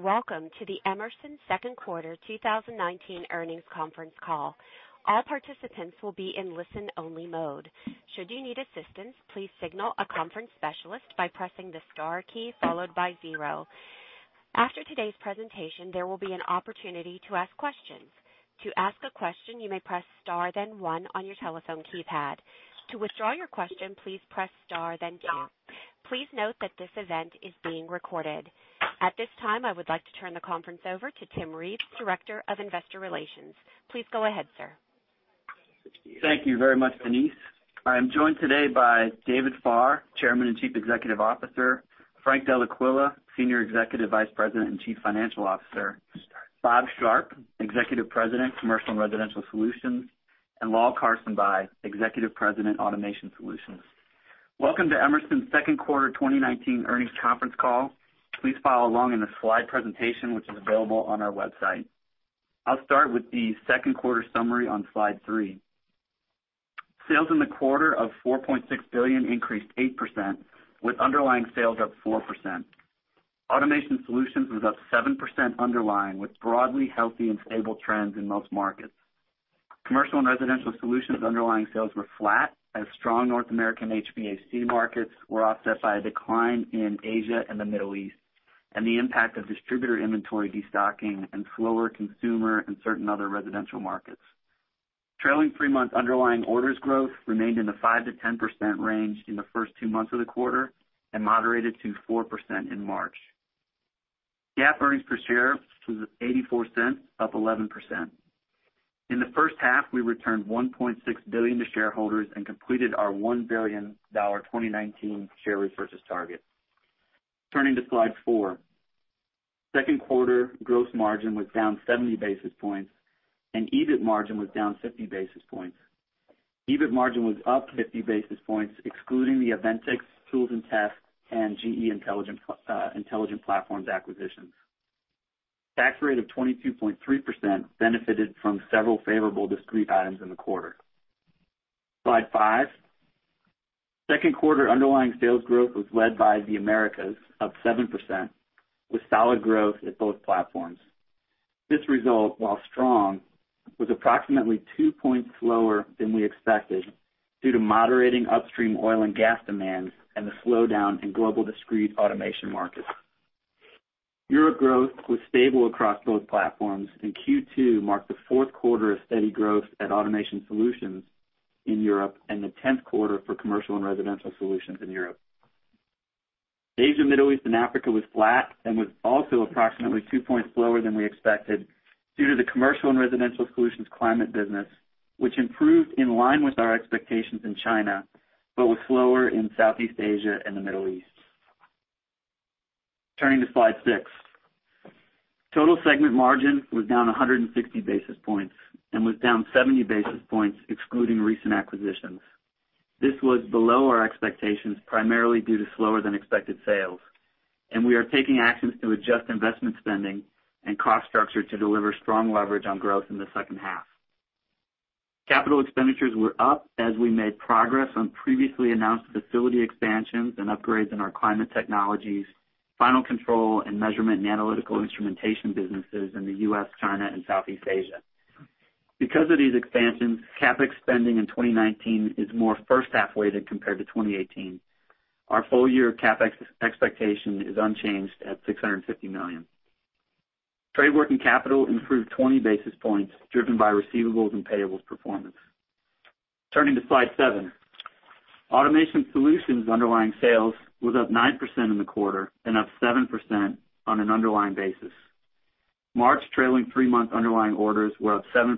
Welcome to the Emerson second quarter 2019 earnings conference call. All participants will be in listen-only mode. Should you need assistance, please signal a conference specialist by pressing the star key followed by 0. After today's presentation, there will be an opportunity to ask questions. To ask a question, you may press star then 1 on your telephone keypad. To withdraw your question, please press star then 2. Please note that this event is being recorded. At this time, I would like to turn the conference over to Tim Reeves, Director of Investor Relations. Please go ahead, sir. Thank you very much, Denise. I am joined today by David Farr, Chairman and Chief Executive Officer, Frank Dellaquila, Senior Executive Vice President and Chief Financial Officer, Bob Sharp, Executive President, Commercial & Residential Solutions, and Lal Karsanbhai, Executive President, Automation Solutions. Welcome to Emerson's second quarter 2019 earnings conference call. Please follow along in the slide presentation, which is available on our website. I'll start with the second quarter summary on slide three. Sales in the quarter of $4.6 billion increased 8%, with underlying sales up 4%. Automation Solutions was up 7% underlying, with broadly healthy and stable trends in most markets. Commercial & Residential Solutions underlying sales were flat as strong North American HVAC markets were offset by a decline in Asia and the Middle East, and the impact of distributor inventory destocking and slower consumer in certain other residential markets. Trailing three-month underlying orders growth remained in the 5%-10% range in the first two months of the quarter and moderated to 4% in March. GAAP earnings per share was $0.84, up 11%. In the first half, we returned $1.6 billion to shareholders and completed our $1 billion 2019 share repurchase target. Turning to slide four. Second quarter gross margin was down 70 basis points, and EBIT margin was down 50 basis points. EBIT margin was up 50 basis points, excluding the Aventics, Tools and Test and GE Intelligent Platforms acquisitions. Tax rate of 22.3% benefited from several favorable discrete items in the quarter. Slide five. Second quarter underlying sales growth was led by the Americas, up 7%, with solid growth at both platforms. This result, while strong, was approximately two points lower than we expected due to moderating upstream oil and gas demand and the slowdown in global discrete automation markets. Europe growth was stable across both platforms, and Q2 marked the fourth quarter of steady growth at Automation Solutions in Europe and the tenth quarter for Commercial & Residential Solutions in Europe. Asia, Middle East and Africa was flat and was also approximately two points lower than we expected due to the Commercial & Residential Solutions climate business, which improved in line with our expectations in China, but was slower in Southeast Asia and the Middle East. This was below our expectations, primarily due to slower than expected sales, and we are taking actions to adjust investment spending and cost structure to deliver strong leverage on growth in the second half. Capital expenditures were up as we made progress on previously announced facility expansions and upgrades in our climate technologies, final control and measurement and analytical instrumentation businesses in the U.S., China and Southeast Asia. Because of these expansions, CapEx spending in 2019 is more first halfway than compared to 2018. Our full-year CapEx expectation is unchanged at $650 million. Trade working capital improved 20 basis points, driven by receivables and payables performance. Turning to slide seven. Automation Solutions underlying sales was up 9% in the quarter and up 7% on an underlying basis. March trailing three-month underlying orders were up 7%,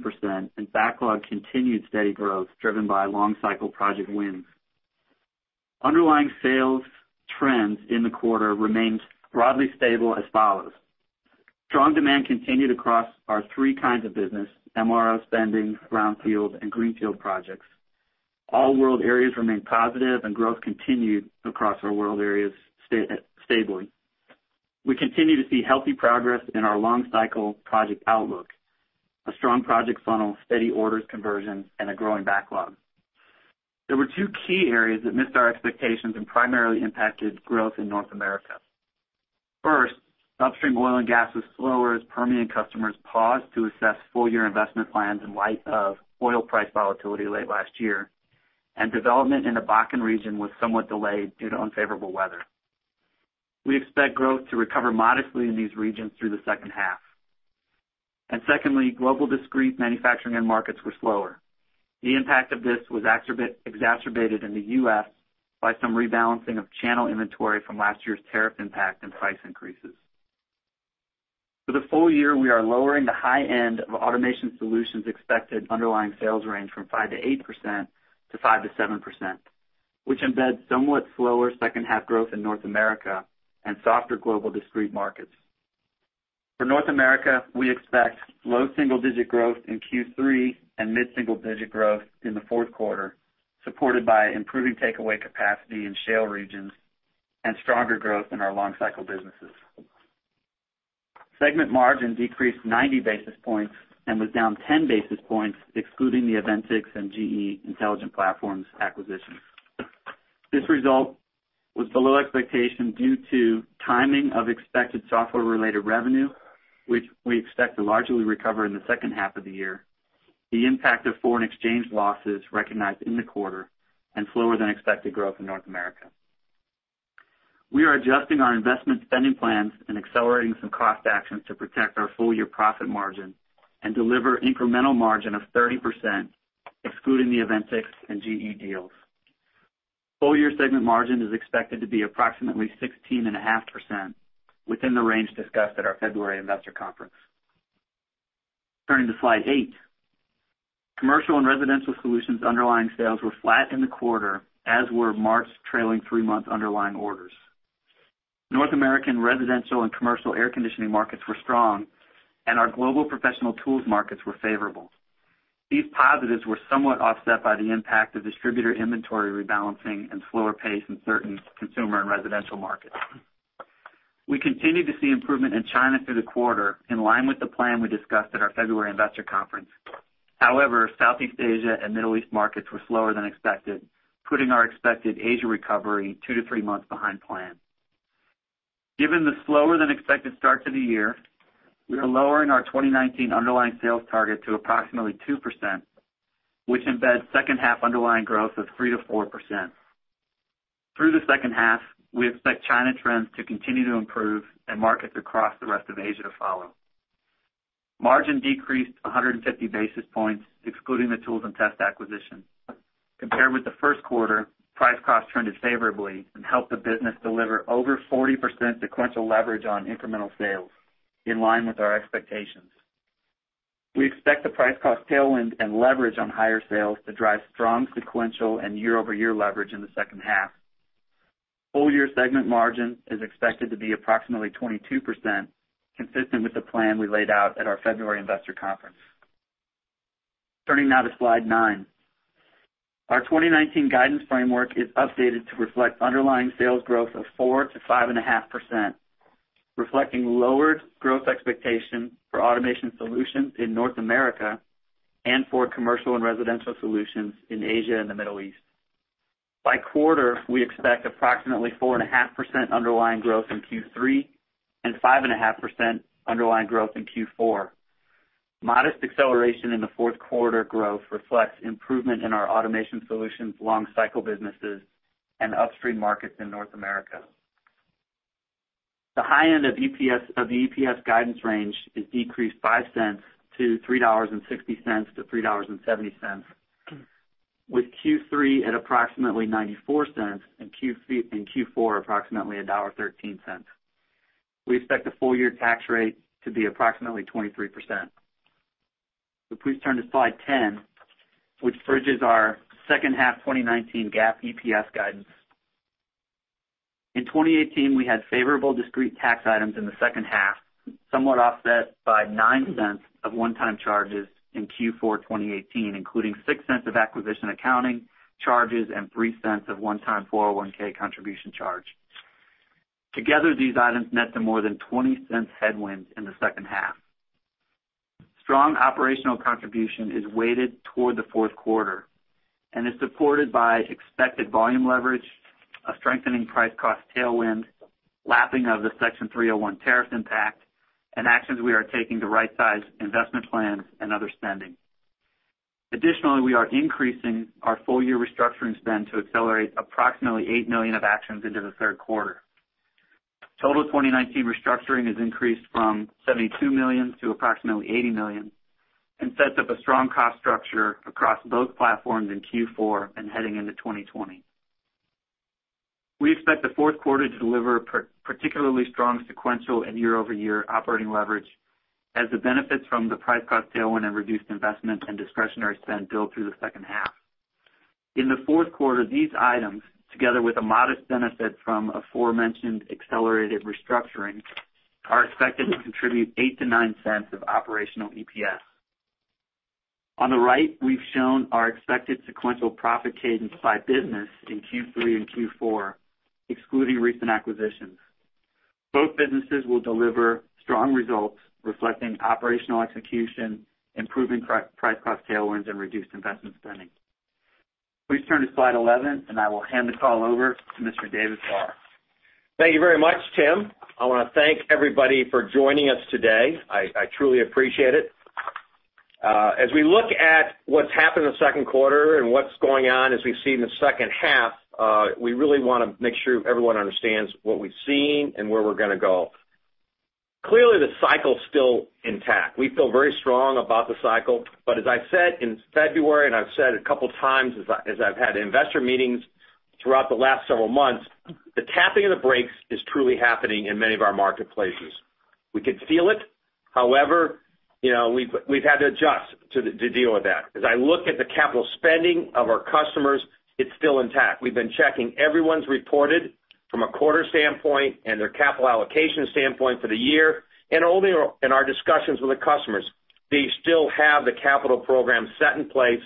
and backlog continued steady growth, driven by long-cycle project wins. Underlying sales trends in the quarter remained broadly stable as follows. Strong demand continued across our three kinds of business, MRO spending, brownfield, and greenfield projects. All world areas remained positive, and growth continued across our world areas stably. We continue to see healthy progress in our long-cycle project outlook, a strong project funnel, steady orders conversion, and a growing backlog. There were two key areas that missed our expectations and primarily impacted growth in North America. First, upstream oil and gas was slower as Permian customers paused to assess full-year investment plans in light of oil price volatility late last year, and development in the Bakken region was somewhat delayed due to unfavorable weather. We expect growth to recover modestly in these regions through the second half. Secondly, global discrete manufacturing end markets were slower. The impact of this was exacerbated in the U.S. by some rebalancing of channel inventory from last year's tariff impact and price increases. For the full year, we are lowering the high end of Automation Solutions' expected underlying sales range from 5%-8% to 5%-7%, which embeds somewhat slower second half growth in North America and softer global discrete markets. For North America, we expect low single-digit growth in Q3 and mid-single digit growth in the fourth quarter, supported by improving takeaway capacity in shale regions and stronger growth in our long-cycle businesses. Segment margin decreased 90 basis points and was down 10 basis points excluding the Aventics and GE Intelligent Platforms acquisitions. This result was below expectation due to timing of expected software-related revenue, which we expect to largely recover in the second half of the year, the impact of foreign exchange losses recognized in the quarter, and slower than expected growth in North America. We are adjusting our investment spending plans and accelerating some cost actions to protect our full-year profit margin and deliver incremental margin of 30%, excluding the Aventics and GE deals. Full-year segment margin is expected to be approximately 16.5% within the range discussed at our February investor conference. Turning to Slide eight. Commercial and Residential Solutions underlying sales were flat in the quarter, as were March's trailing three-month underlying orders. North American residential and commercial air conditioning markets were strong, and our global professional tools markets were favorable. These positives were somewhat offset by the impact of distributor inventory rebalancing and slower pace in certain consumer and residential markets. We continued to see improvement in China through the quarter, in line with the plan we discussed at our February investor conference. However, Southeast Asia and Middle East markets were slower than expected, putting our expected Asia recovery 2-3 months behind plan. Given the slower than expected start to the year, we are lowering our 2019 underlying sales target to approximately 2%, which embeds second half underlying growth of 3%-4%. Through the second half, we expect China trends to continue to improve and markets across the rest of Asia to follow. Margin decreased 150 basis points, excluding the Tools and Test acquisition. Compared with the first quarter, price cost trended favorably and helped the business deliver over 40% sequential leverage on incremental sales, in line with our expectations. We expect the price cost tailwind and leverage on higher sales to drive strong sequential and year-over-year leverage in the second half. Full-year segment margin is expected to be approximately 22%, consistent with the plan we laid out at our February investor conference. Turning now to Slide 9. Our 2019 guidance framework is updated to reflect underlying sales growth of 4%-5.5%, reflecting lowered growth expectation for Automation Solutions in North America and for Commercial & Residential Solutions in Asia and the Middle East. By quarter, we expect approximately 4.5% underlying growth in Q3 and 5.5% underlying growth in Q4. Modest acceleration in the fourth quarter growth reflects improvement in our Automation Solutions long cycle businesses and upstream markets in North America. The high end of the EPS guidance range is decreased $0.05 to $3.60-$3.70, with Q3 at approximately $0.94 and Q4 approximately $1.13. We expect the full year tax rate to be approximately 23%. Please turn to Slide 10, which bridges our second half 2019 GAAP EPS guidance. In 2018, we had favorable discrete tax items in the second half, somewhat offset by $0.09 of one-time charges in Q4 2018, including $0.06 of acquisition accounting charges and $0.03 of one-time 401(k) contribution charge. Together, these items net to more than $0.20 headwind in the second half. Strong operational contribution is weighted toward the fourth quarter and is supported by expected volume leverage, a strengthening price cost tailwind, lapping of the Section 301 tariff impact, and actions we are taking to rightsize investment plans and other spending. Additionally, we are increasing our full-year restructuring spend to accelerate approximately $8 million of actions into the third quarter. Total 2019 restructuring is increased from $72 million to approximately $80 million and sets up a strong cost structure across both platforms in Q4 and heading into 2020. We expect the fourth quarter to deliver particularly strong sequential and year-over-year operating leverage as the benefits from the price cost tailwind and reduced investment and discretionary spend build through the second half. In the fourth quarter, these items, together with a modest benefit from aforementioned accelerated restructuring, are expected to contribute $0.08-$0.09 of operational EPS. On the right, we've shown our expected sequential profit cadence by business in Q3 and Q4, excluding recent acquisitions. Both businesses will deliver strong results reflecting operational execution, improving price cost tailwinds, and reduced investment spending. Please turn to Slide 11. I will hand the call over to Mr. David Farr. Thank you very much, Tim. I want to thank everybody for joining us today. I truly appreciate it. As we look at what's happened in the second quarter and what's going on as we see in the second half, we really want to make sure everyone understands what we've seen and where we're going to go. Clearly, the cycle's still intact. We feel very strong about the cycle. As I said in February, and I've said a couple of times as I've had investor meetings throughout the last several months, the tapping of the brakes is truly happening in many of our marketplaces. We can feel it. However, we've had to adjust to deal with that. As I look at the capital spending of our customers, it's still intact. We've been checking everyone's reported from a quarter standpoint and their capital allocation standpoint for the year, only in our discussions with the customers. They still have the capital program set in place.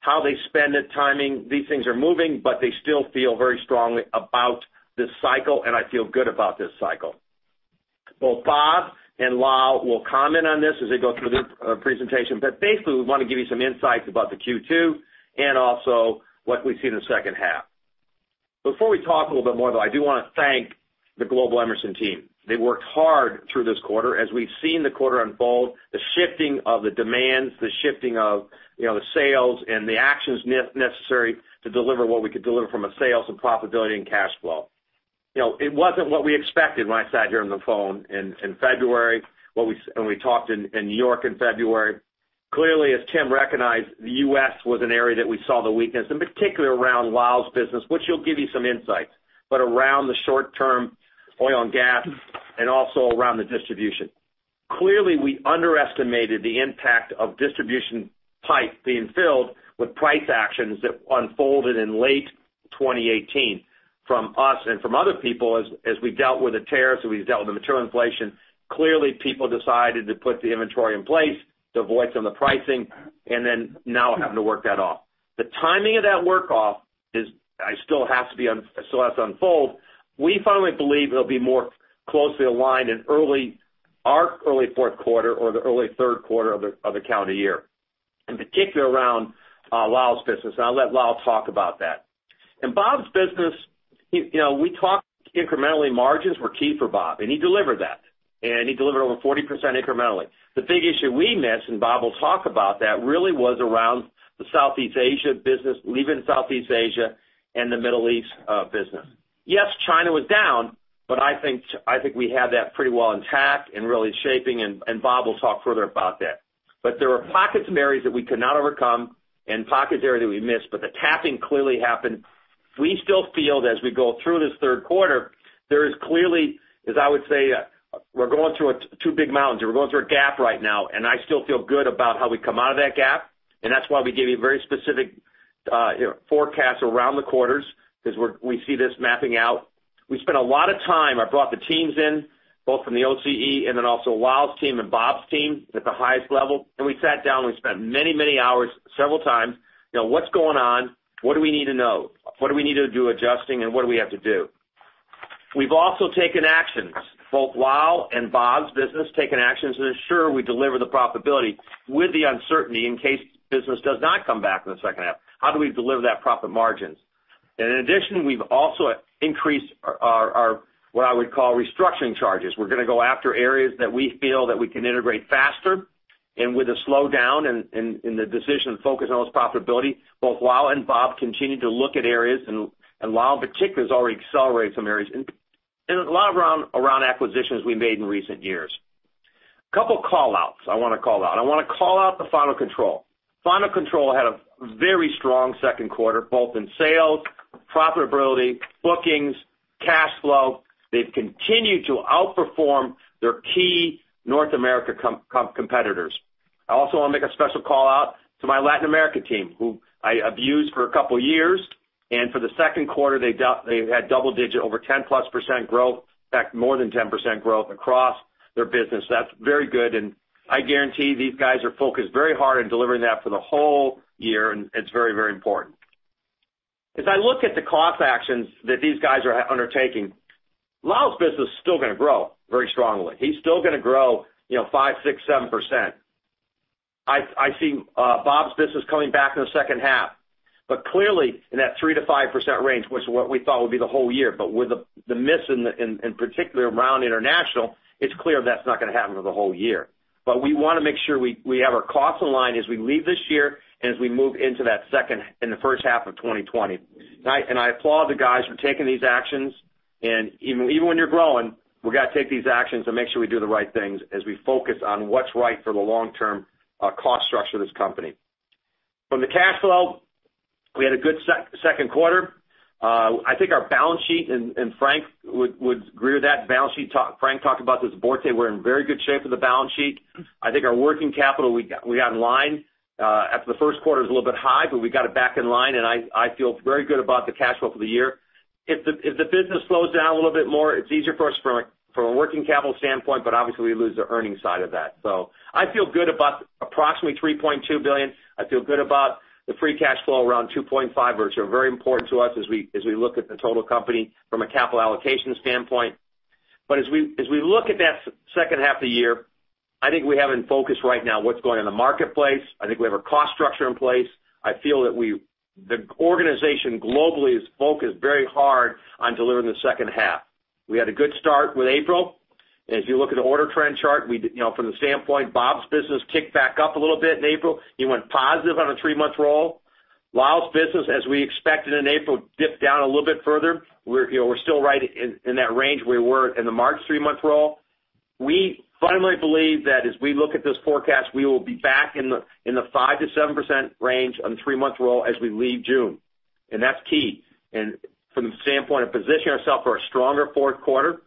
How they spend it, timing, these things are moving. They still feel very strongly about this cycle, and I feel good about this cycle. Both Bob and Lal will comment on this as they go through their presentation. Basically, we want to give you some insights about the Q2 and also what we see in the second half. Before we talk a little bit more, though, I do want to thank the global Emerson team. They worked hard through this quarter as we've seen the quarter unfold, the shifting of the demands, the shifting of the sales, and the actions necessary to deliver what we could deliver from a sales and profitability and cash flow. It wasn't what we expected when I sat here on the phone in February. We talked in New York in February. Clearly, as Tim recognized, the U.S. was an area that we saw the weakness, in particular around Lal's business, which he'll give you some insights, around the short-term oil and gas and also around the distribution. Clearly, we underestimated the impact of distribution pipe being filled with price actions that unfolded in late 2018 from us and from other people as we dealt with the tariffs and we dealt with the material inflation. Clearly, people decided to put the inventory in place to avoid some of the pricing and then now having to work that off. The timing of that work off still has to unfold. We finally believe it'll be more closely aligned in our early fourth quarter or the early third quarter of the calendar year, in particular around Lal's business. I'll let Lal talk about that. In Bob's business, we talked incrementally. Margins were key for Bob, and he delivered that, and he delivered over 40% incrementally. The big issue we missed, Bob will talk about that, really was around the Southeast Asia business, leaving Southeast Asia and the Middle East business. China was down, but I think we have that pretty well intact and really shaping, Bob will talk further about that. There are pockets and areas that we could not overcome and pockets and areas that we missed, the tapping clearly happened. We still feel that as we go through this third quarter, there is clearly, as I would say, we're going through two big mountains. We're going through a gap right now, I still feel good about how we come out of that gap, that's why we give you very specific forecasts around the quarters because we see this mapping out. We spent a lot of time. I brought the teams in, both from the OCE and then also Lal's team and Bob's team at the highest level, we sat down, we spent many, many hours several times. What's going on? What do we need to know? What do we need to do adjusting, what do we have to do? We've also taken actions, both Lal and Bob's business taken actions to ensure we deliver the profitability with the uncertainty in case business does not come back in the second half. How do we deliver that profit margins? In addition, we've also increased our, what I would call restructuring charges. We're going to go after areas that we feel that we can integrate faster and with a slowdown in the decision to focus on those profitability. Both Lal and Bob continue to look at areas, Lal in particular has already accelerated some areas and a lot around acquisitions we made in recent years. A couple call-outs I want to call out. I want to call out the final control. Final control had a very strong second quarter, both in sales, profitability, bookings, cash flow. They've continued to outperform their key North America competitors. I also want to make a special call-out to my Latin America team, who I abused for a couple of years, for the second quarter, they had double digit over 10-plus % growth. In fact, more than 10% growth across their business. That's very good, I guarantee these guys are focused very hard on delivering that for the whole year, it's very, very important. As I look at the cost actions that these guys are undertaking, Lal's business is still going to grow very strongly. He's still going to grow 5%, 6%, 7%. I see Bob's business coming back in the second half, clearly in that 3%-5% range was what we thought would be the whole year. With the miss in particular around international, it's clear that's not going to happen for the whole year. We want to make sure we have our costs in line as we leave this year as we move into that second in the first half of 2020. I applaud the guys for taking these actions. Even when you're growing, we got to take these actions and make sure we do the right things as we focus on what's right for the long-term cost structure of this company. From the cash flow, we had a good second quarter. I think our balance sheet, and Frank would agree with that. Balance sheet, Frank talked about this at Board today. We're in very good shape with the balance sheet. I think our working capital we got in line after the first quarter is a little bit high, but we got it back in line, and I feel very good about the cash flow for the year. If the business slows down a little bit more, it's easier for us from a working capital standpoint, but obviously we lose the earnings side of that. I feel good about approximately $3.2 billion. I feel good about the free cash flow around $2.5 billion, which are very important to us as we look at the total company from a capital allocation standpoint. As we look at that second half of the year, I think we have in focus right now what's going on in the marketplace. I think we have our cost structure in place. I feel that the organization globally is focused very hard on delivering the second half. We had a good start with April. As you look at the order trend chart, from the standpoint Bob's business kicked back up a little bit in April. He went positive on a 3-month roll. Lal's business, as we expected in April, dipped down a little bit further. We're still right in that range we were in the March 3-month roll. We finally believe that as we look at this forecast, we will be back in the 5%-7% range on 3-month roll as we leave June. That's key. From the standpoint of positioning ourself for a stronger fourth quarter,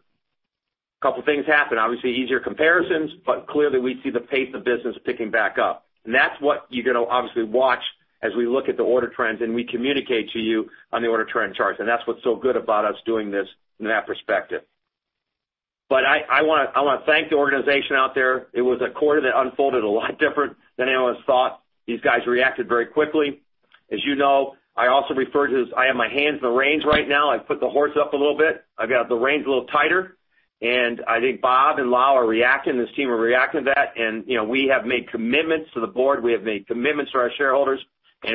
a couple of things happen. Obviously easier comparisons, but clearly we see the pace of business picking back up. That's what you're going to obviously watch as we look at the order trends and we communicate to you on the order trend charts. That's what's so good about us doing this from that perspective. I want to thank the organization out there. It was a quarter that unfolded a lot different than anyone thought. These guys reacted very quickly. As you know, I also refer to this, I have my hands in the reins right now. I've put the horse up a little bit. I've got the reins a little tighter, I think Bob and Lal are reacting, this team are reacting to that. We have made commitments to the Board, we have made commitments to our shareholders,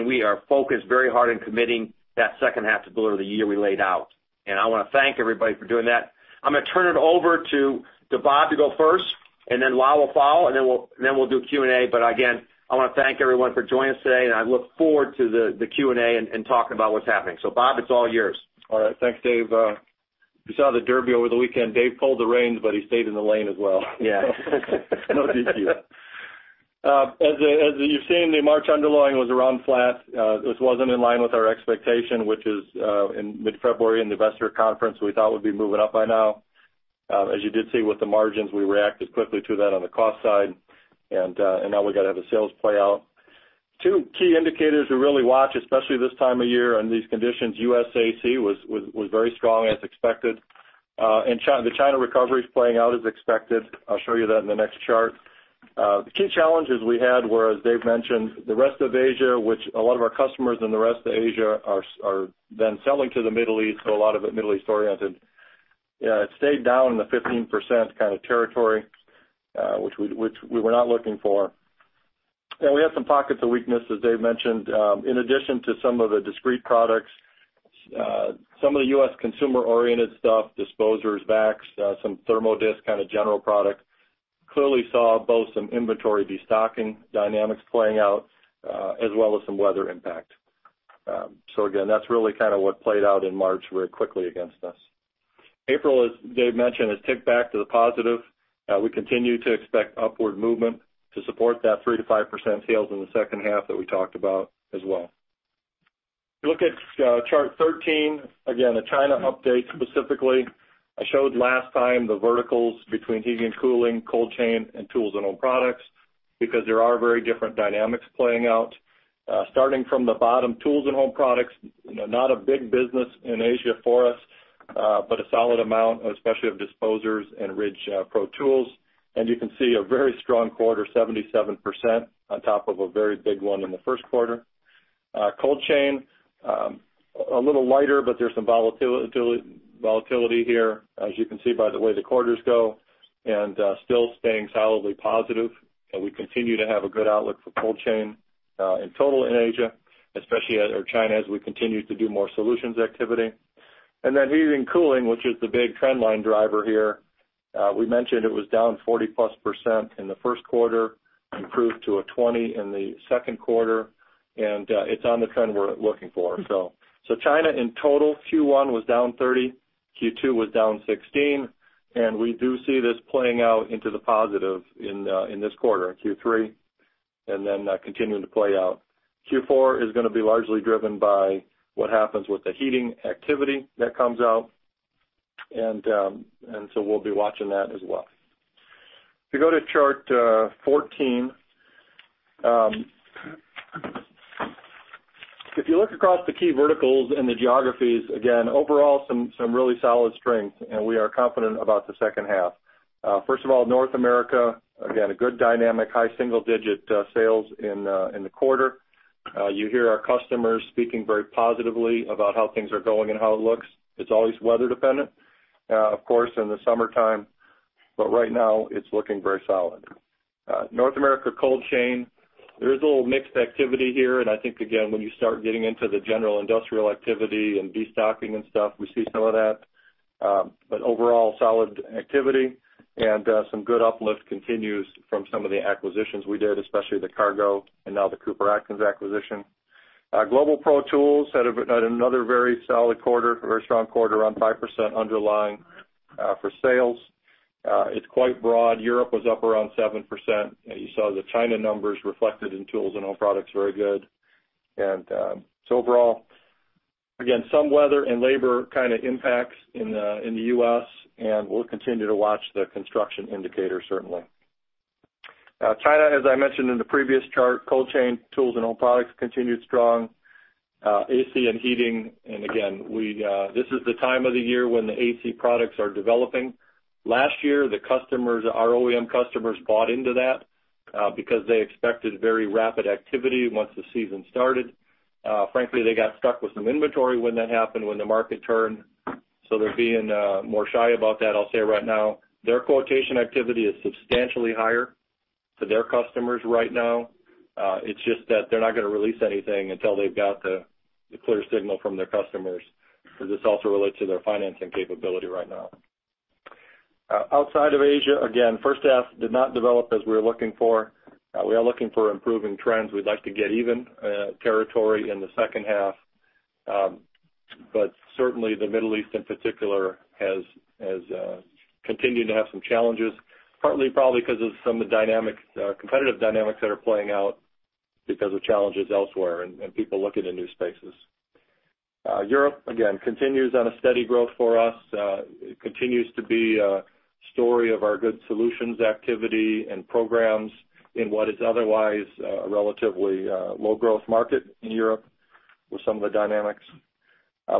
we are focused very hard in committing that second half to deliver the year we laid out. I want to thank everybody for doing that. I'm going to turn it over to Bob to go first, then Lal will follow, then we'll do Q&A. Again, I want to thank everyone for joining us today, I look forward to the Q&A and talking about what's happening. Bob, it's all yours. All right. Thanks, Dave. If you saw the Derby over the weekend, Dave pulled the reins, but he stayed in the lane as well. Yeah. No DQ. As you've seen, the March underlying was around flat. This wasn't in line with our expectation, which is, in mid-February, in the investor conference, we thought would be moving up by now. As you did see with the margins, we reacted quickly to that on the cost side. Now we got to have the sales play out. Two key indicators we really watch, especially this time of year in these conditions, U.S. AC was very strong as expected. The China recovery is playing out as expected. I'll show you that in the next chart. The key challenges we had were, as Dave mentioned, the rest of Asia, which a lot of our customers in the rest of Asia are then selling to the Middle East, so a lot of it Middle East-oriented. It stayed down in the 15% kind of territory, which we were not looking for. We had some pockets of weakness, as Dave mentioned. In addition to some of the discrete products, some of the U.S. consumer-oriented stuff, disposers, vacs, some Therm-O-Disc kind of general product, clearly saw both some inventory de-stocking dynamics playing out, as well as some weather impact. Again, that's really what played out in March very quickly against us. April, as Dave mentioned, has ticked back to the positive. We continue to expect upward movement to support that 3%-5% sales in the second half that we talked about as well. If you look at chart 13, again, the China update specifically. I showed last time the verticals between heating and cooling, cold chain, and tools and home products, because there are very different dynamics playing out. Starting from the bottom, tools and home products, not a big business in Asia for us, but a solid amount, especially of disposers and RIDGID Pro Tools. You can see a very strong quarter, 77%, on top of a very big one in the first quarter. Cold chain, a little lighter, but there's some volatility here, as you can see by the way the quarters go, and still staying solidly positive. We continue to have a good outlook for cold chain in total in Asia, especially China, as we continue to do more solutions activity. Then heating and cooling, which is the big trend line driver here. We mentioned it was down 40%+ in the first quarter, improved to a 20% in the second quarter, and it's on the trend we're looking for. China in total, Q1 was down 30%, Q2 was down 16%. We do see this playing out into the positive in this quarter, in Q3, continuing to play out. Q4 is going to be largely driven by what happens with the heating activity that comes out. We'll be watching that as well. If you go to chart 14. If you look across the key verticals and the geographies, again, overall, some really solid strength. We are confident about the second half. First of all, North America, again, a good dynamic, high single-digit sales in the quarter. You hear our customers speaking very positively about how things are going and how it looks. It's always weather dependent, of course, in the summertime, but right now it's looking very solid. North America cold chain. There is a little mixed activity here. I think, again, when you start getting into the general industrial activity and de-stocking and stuff, we see some of that. Overall, solid activity and some good uplift continues from some of the acquisitions we did, especially the Cargo and now the Cooper-Atkins acquisition. RIDGID Pro Tools had another very solid quarter, very strong quarter, around 5% underlying for sales. It's quite broad. Europe was up around 7%. You saw the China numbers reflected in tools and home products, very good. Overall, again, some weather and labor kind of impacts in the U.S. We'll continue to watch the construction indicators, certainly. China, as I mentioned in the previous chart, cold chain, tools and home products continued strong. AC and heating. Again, this is the time of the year when the AC products are developing. Last year, our OEM customers bought into that because they expected very rapid activity once the season started. Frankly, they got stuck with some inventory when that happened, when the market turned. They're being more shy about that. I'll say right now, their quotation activity is substantially higher to their customers right now. It's just that they're not going to release anything until they've got the clear signal from their customers, because this also relates to their financing capability right now. Outside of Asia, again, first half did not develop as we were looking for. We are looking for improving trends. We'd like to get even territory in the second half. Certainly the Middle East in particular has continued to have some challenges, partly probably because of some of the competitive dynamics that are playing out because of challenges elsewhere and people looking in new spaces. Europe, again, continues on a steady growth for us. It continues to be a story of our good solutions activity and programs in what is otherwise a relatively low-growth market in Europe with some of the dynamics.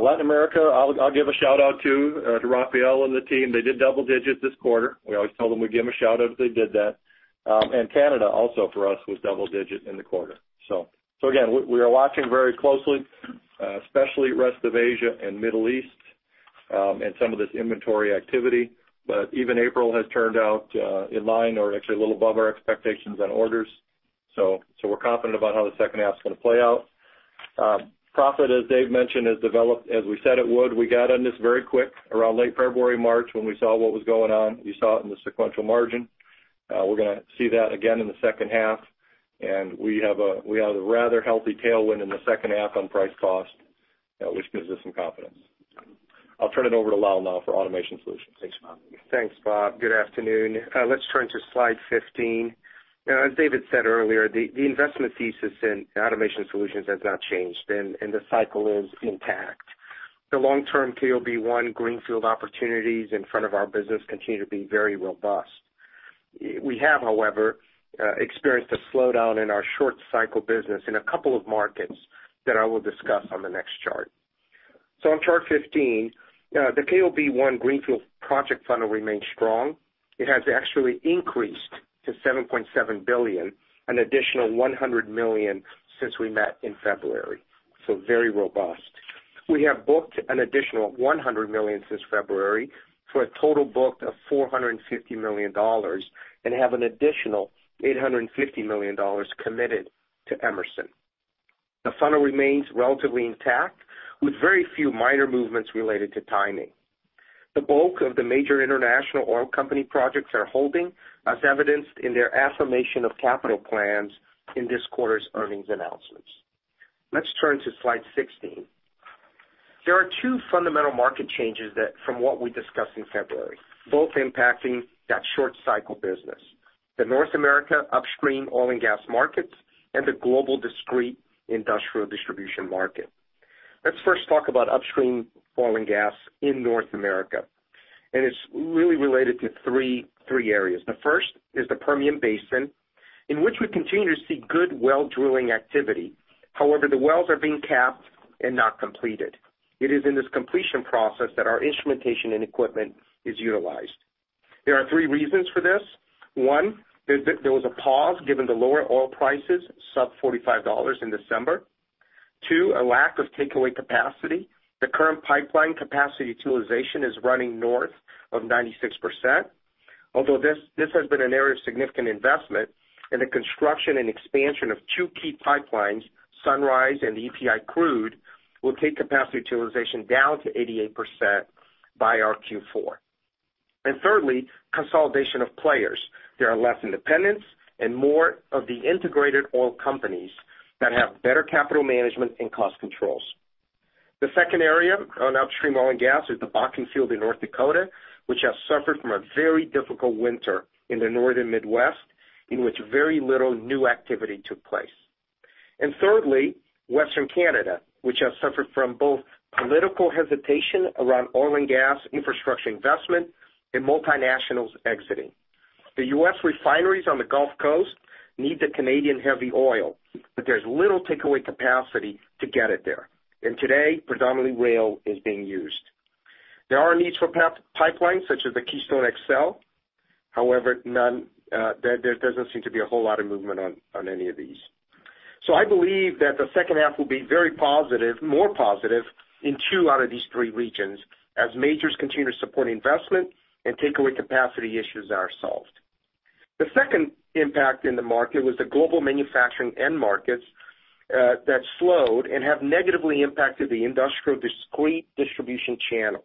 Latin America, I'll give a shout-out to Rafael and the team. They did double digits this quarter. We always tell them we'd give them a shout-out if they did that. Canada also for us, was double digit in the quarter. Again, we are watching very closely, especially rest of Asia and Middle East, some of this inventory activity. Even April has turned out in line or actually a little above our expectations on orders. We're confident about how the second half is going to play out. Profit, as Dave mentioned, has developed as we said it would. We got on this very quick, around late February, March, when we saw what was going on. You saw it in the sequential margin. We're going to see that again in the second half, and we have a rather healthy tailwind in the second half on price cost, which gives us some confidence. I'll turn it over to Lal now for Automation Solutions. Thanks, Bob. Thanks, Bob. Good afternoon. Let's turn to slide 15. As David said earlier, the investment thesis in Automation Solutions has not changed, and the cycle is intact. The long-term KOB1 greenfield opportunities in front of our business continue to be very robust. We have, however, experienced a slowdown in our short cycle business in a couple of markets that I will discuss on the next chart. On chart 15, the KOB1 greenfield project funnel remains strong. It has actually increased to $7.7 billion, an additional $100 million since we met in February, so very robust. We have booked an additional $100 million since February, for a total book of $450 million, and have an additional $850 million committed to Emerson. The funnel remains relatively intact, with very few minor movements related to timing. The bulk of the major international oil company projects are holding, as evidenced in their affirmation of capital plans in this quarter's earnings announcements. Let's turn to slide 16. There are two fundamental market changes that from what we discussed in February, both impacting that short cycle business, the North America upstream oil and gas markets, and the global discrete industrial distribution market. Let's first talk about upstream oil and gas in North America, and it's really related to three areas. The first is the Permian Basin, in which we continue to see good well drilling activity. However, the wells are being capped and not completed. It is in this completion process that our instrumentation and equipment is utilized. There are three reasons for this. One, there was a pause given the lower oil prices, sub $45 in December. Two, a lack of takeaway capacity. The current pipeline capacity utilization is running north of 96%. Although this has been an area of significant investment in the construction and expansion of two key pipelines, Sunrise and EPIC Crude, will take capacity utilization down to 88% by our Q4. Thirdly, consolidation of players. There are less independents and more of the integrated oil companies that have better capital management and cost controls. The second area on upstream oil and gas is the Bakken field in North Dakota, which has suffered from a very difficult winter in the northern Midwest, in which very little new activity took place. Thirdly, Western Canada, which has suffered from both political hesitation around oil and gas infrastructure investment and multinationals exiting. The U.S. refineries on the Gulf Coast need the Canadian heavy oil, but there's little takeaway capacity to get it there. Today, predominantly rail is being used. There are needs for pipelines such as the Keystone XL. However, there doesn't seem to be a whole lot of movement on any of these. I believe that the second half will be very positive, more positive in two out of these three regions, as majors continue to support investment and takeaway capacity issues are solved. The second impact in the market was the global manufacturing end markets that slowed and have negatively impacted the industrial discrete distribution channels.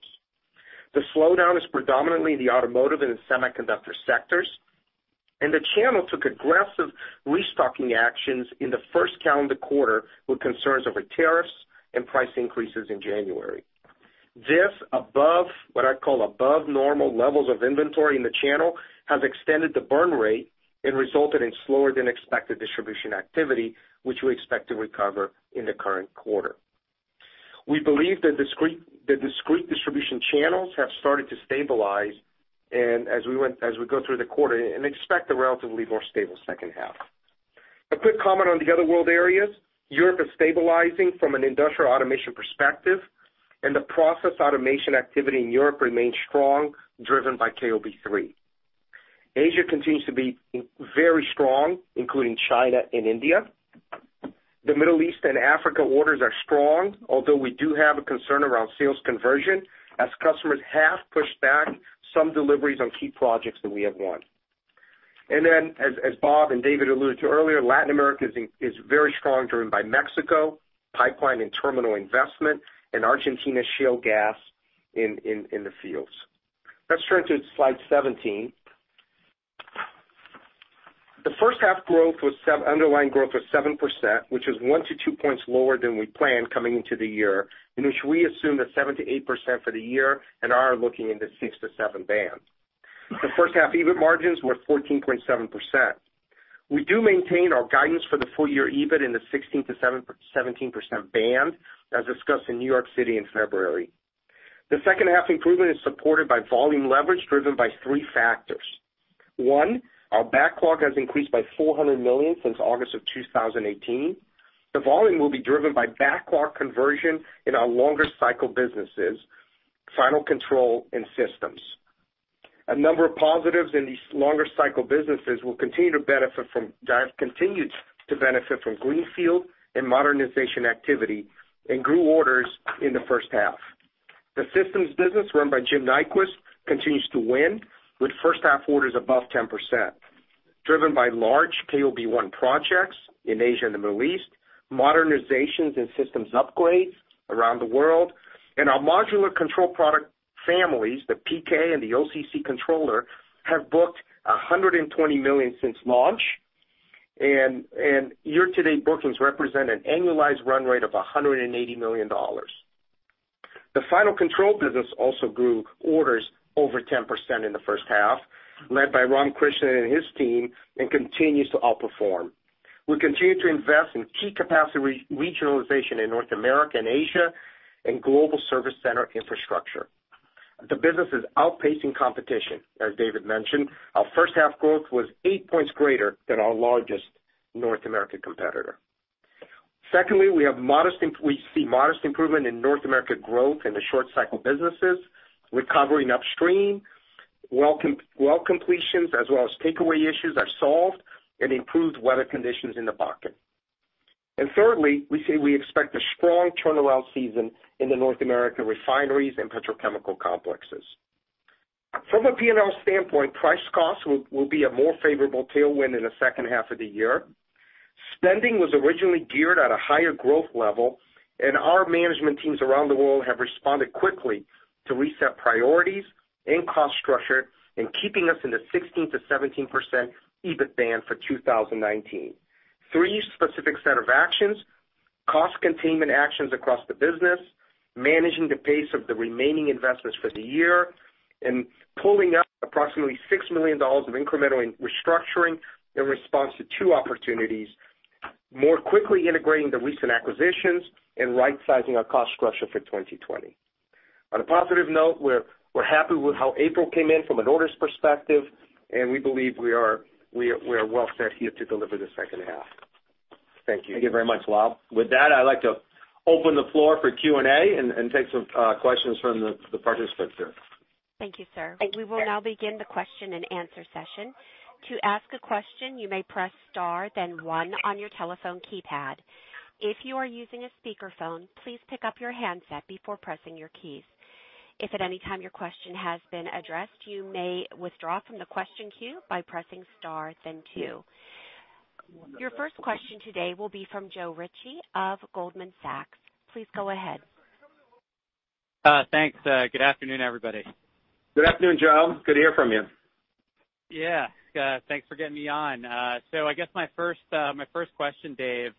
The slowdown is predominantly in the automotive and semiconductor sectors, and the channel took aggressive restocking actions in the first calendar quarter with concerns over tariffs and price increases in January. This, above what I call above normal levels of inventory in the channel, has extended the burn rate and resulted in slower than expected distribution activity, which we expect to recover in the current quarter. We believe the discrete distribution channels have started to stabilize as we go through the quarter and expect a relatively more stable second half. A quick comment on the other world areas. Europe is stabilizing from an industrial automation perspective, and the process automation activity in Europe remains strong, driven by KOB3. Asia continues to be very strong, including China and India. The Middle East and Africa orders are strong. Although we do have a concern around sales conversion, as customers have pushed back some deliveries on key projects that we have won. As Bob and David alluded to earlier, Latin America is very strong, driven by Mexico pipeline and terminal investment in Argentina shale gas in the fields. Let's turn to slide 17. The first half growth was underlying growth of 7%, which is one to two points lower than we planned coming into the year, in which we assume that 7%-8% for the year and are looking in the 6 to 7 band. The first half EBIT margins were 14.7%. We do maintain our guidance for the full year EBIT in the 16%-17% band, as discussed in New York City in February. The second half improvement is supported by volume leverage driven by three factors. One, our backlog has increased by $400 million since August of 2018. The volume will be driven by backlog conversion in our longer cycle businesses, final control, and systems. A number of positives in these longer cycle businesses will continue to benefit from greenfield and modernization activity and grew orders in the first half. The systems business run by Jim Nyquist continues to win with first half orders above 10%, driven by large KOB1 projects in Asia and the Middle East, modernizations and systems upgrades around the world, and our modular control product families, the PK and the OCC controller, have booked $120 million since launch. Year-to-date bookings represent an annualized run rate of $180 million. The final control business also grew orders over 10% in the first half, led by Ram Krishnan and his team, and continues to outperform. We continue to invest in key capacity regionalization in North America and Asia and global service center infrastructure. The business is outpacing competition, as David mentioned. Our first half growth was eight points greater than our largest North American competitor. Secondly, we see modest improvement in North American growth in the short cycle businesses, recovering upstream, well completions, as well as takeaway issues are solved and improved weather conditions in the Bakken. Thirdly, we say we expect a strong turnaround season in the North American refineries and petrochemical complexes. From a P&L standpoint, price costs will be a more favorable tailwind in the second half of the year. Spending was originally geared at a higher growth level, our management teams around the world have responded quickly to reset priorities and cost structure in keeping us in the 16%-17% EBIT band for 2019. Three specific set of actions: cost containment actions across the business, managing the pace of the remaining investments for the year, and pulling up approximately $6 million of incremental restructuring in response to two opportunities, more quickly integrating the recent acquisitions, and rightsizing our cost structure for 2020. On a positive note, we're happy with how April came in from an orders perspective, we believe we are well set here to deliver the second half. Thank you. Thank you very much, Lal. With that, I'd like to open the floor for Q&A and take some questions from the participants here. Thank you, sir. We will now begin the question and answer session. To ask a question, you may press star then one on your telephone keypad. If you are using a speakerphone, please pick up your handset before pressing your keys. If at any time your question has been addressed, you may withdraw from the question queue by pressing star then two. Your first question today will be from Joe Ritchie of Goldman Sachs. Please go ahead. Thanks. Good afternoon, everybody. Good afternoon, Joe. Good to hear from you. Yeah. Thanks for getting me on. I guess my first question, Dave.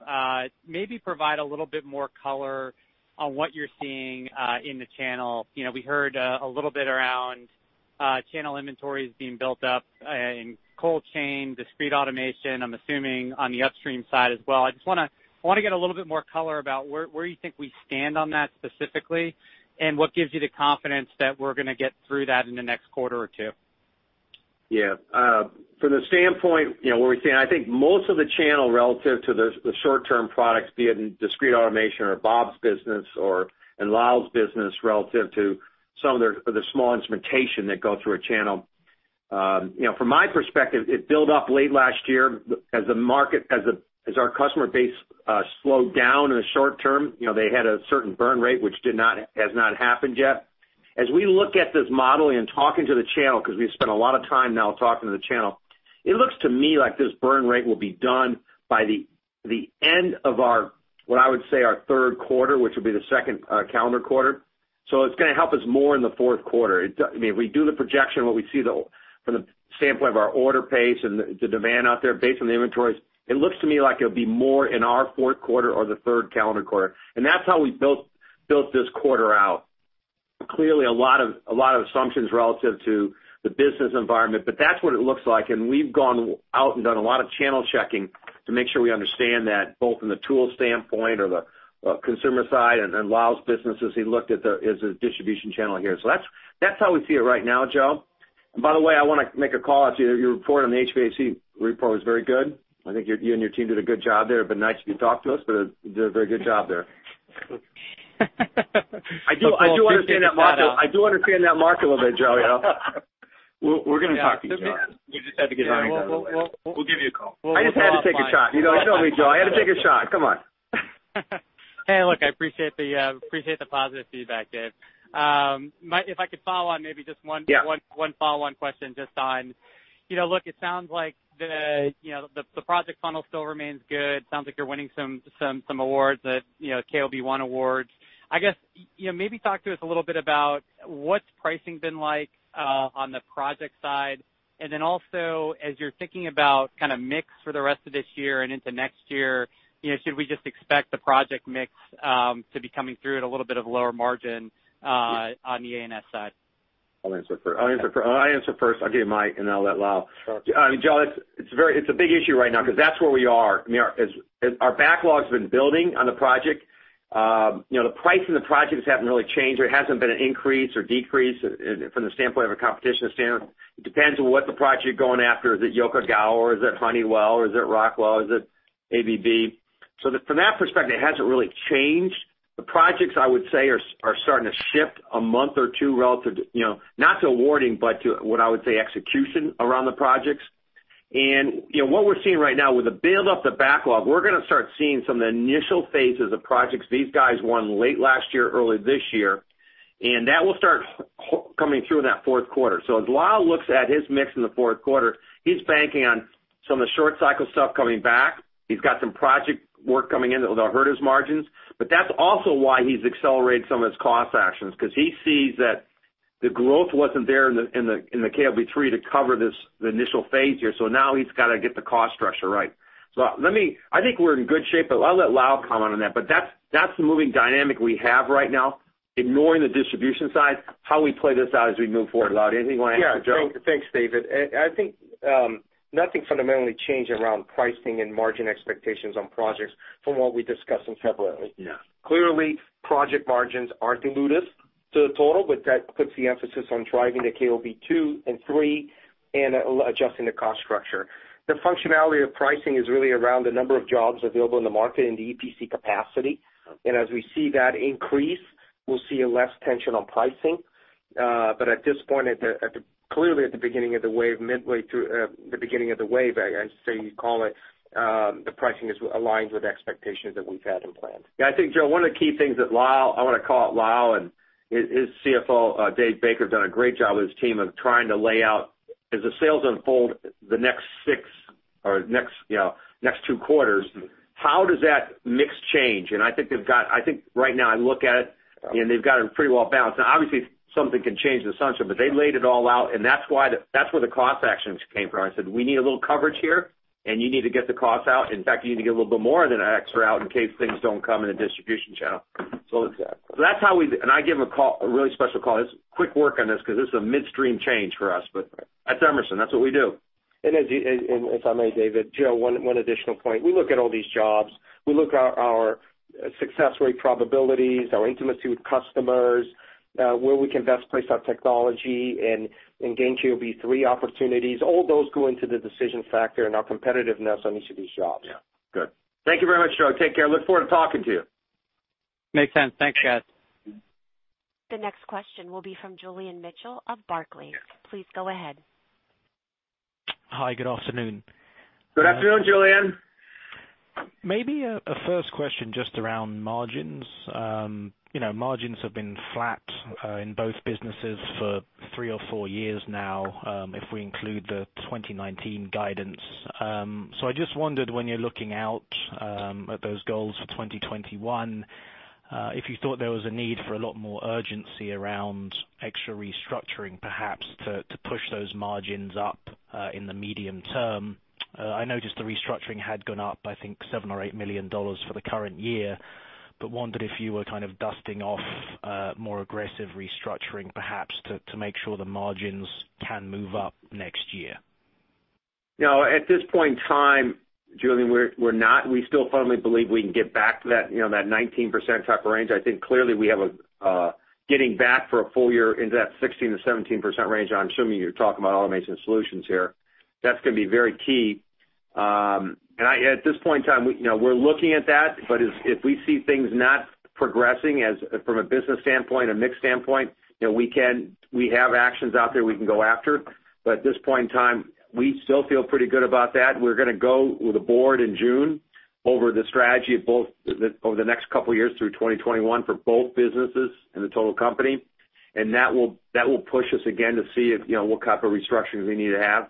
Maybe provide a little bit more color on what you're seeing in the channel. We heard a little bit around channel inventories being built up in cold chain, discrete automation, I'm assuming on the upstream side as well. I just want to get a little bit more color about where you think we stand on that specifically, and what gives you the confidence that we're going to get through that in the next quarter or two. Yeah. From the standpoint, what we're seeing, I think most of the channel relative to the short-term products, be it in discrete automation or Bob's business or Lal's business relative to some of the small instrumentation that go through a channel. From my perspective, it built up late last year as our customer base slowed down in the short term. They had a certain burn rate, which has not happened yet. As we look at this model and talking to the channel, because we've spent a lot of time now talking to the channel, it looks to me like this burn rate will be done by the end of our, what I would say, our third quarter, which will be the second calendar quarter. It's going to help us more in the fourth quarter. If we do the projection, what we see from the standpoint of our order pace and the demand out there based on the inventories, it looks to me like it'll be more in our fourth quarter or the third calendar quarter. That's how we built this quarter out. Clearly, a lot of assumptions relative to the business environment, but that's what it looks like. We've gone out and done a lot of channel checking to make sure we understand that both from the tool standpoint or the consumer side and Lal's business as he looked at the distribution channel here. That's how we see it right now, Joe. By the way, I want to make a call out to you. Your report on the HVAC report was very good. I think you and your team did a good job there. It'd been nice if you talked to us, but did a very good job there. I do understand that mark a little bit, Joe. We're going to talk to you, Joe. You just have to get in line. We'll give you a call. I just had to take a shot. You know me, Joe. I had to take a shot. Come on. Hey, look, I appreciate the positive feedback, Dave. If I could follow on maybe just. Yeah. One follow-on question just on, look, it sounds like the project funnel still remains good. Sounds like you're winning some awards, the KOB1 awards. I guess, maybe talk to us a little bit about what's pricing been like on the project side. Also, as you're thinking about mix for the rest of this year and into next year, should we just expect the project mix to be coming through at a little bit of a lower margin on the Automation Solutions side? I'll answer first. I'll give mine, then I'll let Lal. Joe, it's a big issue right now because that's where we are. Our backlog's been building on the project. The price of the projects haven't really changed. There hasn't been an increase or decrease from the standpoint of a competition standard. It depends on what the project you're going after. Is it Yokogawa, or is it Honeywell, or is it Rockwell, is it ABB? From that perspective, it hasn't really changed. The projects, I would say, are starting to shift a month or two, not to awarding, but to, what I would say, execution around the projects. What we're seeing right now with the build up, the backlog, we're going to start seeing some of the initial phases of projects these guys won late last year, early this year, and that will start coming through in that fourth quarter. As Lal looks at his mix in the fourth quarter, he's banking on some of the short cycle stuff coming back. He's got some project work coming in that will hurt his margins, but that's also why he's accelerated some of his cost actions, because he sees that the growth wasn't there in the KOB3 to cover the initial phase here. Now he's got to get the cost structure right. I think we're in good shape, but I'll let Lal comment on that. That's the moving dynamic we have right now, ignoring the distribution side, how we play this out as we move forward. Lal, anything you want to add? Thanks, David. I think nothing fundamentally changed around pricing and margin expectations on projects from what we discussed in February. Yeah. Clearly, project margins are dilutive to the total, that puts the emphasis on driving the KOB2 and KOB3 and adjusting the cost structure. The functionality of pricing is really around the number of jobs available in the market and the EPC capacity. As we see that increase, we'll see a less tension on pricing. At this point, clearly at the beginning of the wave, midway through the beginning of the wave, I say you call it, the pricing is aligned with the expectations that we've had and planned. I think, Joe, one of the key things that Lal, I want to call out Lal and his CFO, Dave Baker, have done a great job with his team of trying to lay out, as the sales unfold the next two quarters, how does that mix change? I think right now I look at it, and they've got it pretty well balanced. Now, obviously, something can change in the sunshine, but they laid it all out, and that's where the cost actions came from. I said, "We need a little coverage here, and you need to get the cost out. In fact, you need to get a little bit more than an X out in case things don't come in the distribution channel. Exactly. I give him a really special call. It's quick work on this because this is a midstream change for us. That's Emerson. That's what we do. If I may, David, Joe, one additional point. We look at all these jobs. We look at our success rate probabilities, our intimacy with customers, where we can best place our technology and gain KOB-3 opportunities. All those go into the decision factor and our competitiveness on each of these jobs. Yeah. Good. Thank you very much, Joe. Take care. Look forward to talking to you. Makes sense. Thanks, guys. The next question will be from Julian Mitchell of Barclays. Please go ahead. Hi. Good afternoon. Good afternoon, Julian. Maybe a first question just around margins. Margins have been flat in both businesses for three or four years now, if we include the 2019 guidance. I just wondered when you're looking out at those goals for 2021, if you thought there was a need for a lot more urgency around extra restructuring, perhaps, to push those margins up in the medium term. I noticed the restructuring had gone up, I think, $7 or $8 million for the current year, but wondered if you were kind of dusting off more aggressive restructuring, perhaps, to make sure the margins can move up next year. No, at this point in time, Julian, we're not. We still firmly believe we can get back to that 19% type of range. I think clearly we have a getting back for a full year into that 16%-17% range. I'm assuming you're talking about automation solutions here. That's going to be very key. At this point in time, we're looking at that, if we see things not progressing from a business standpoint, a mix standpoint, we have actions out there we can go after. At this point in time, we still feel pretty good about that. We're going to go with the board in June over the strategy of both over the next couple of years through 2021 for both businesses and the total company. That will push us again to see what type of restructures we need to have.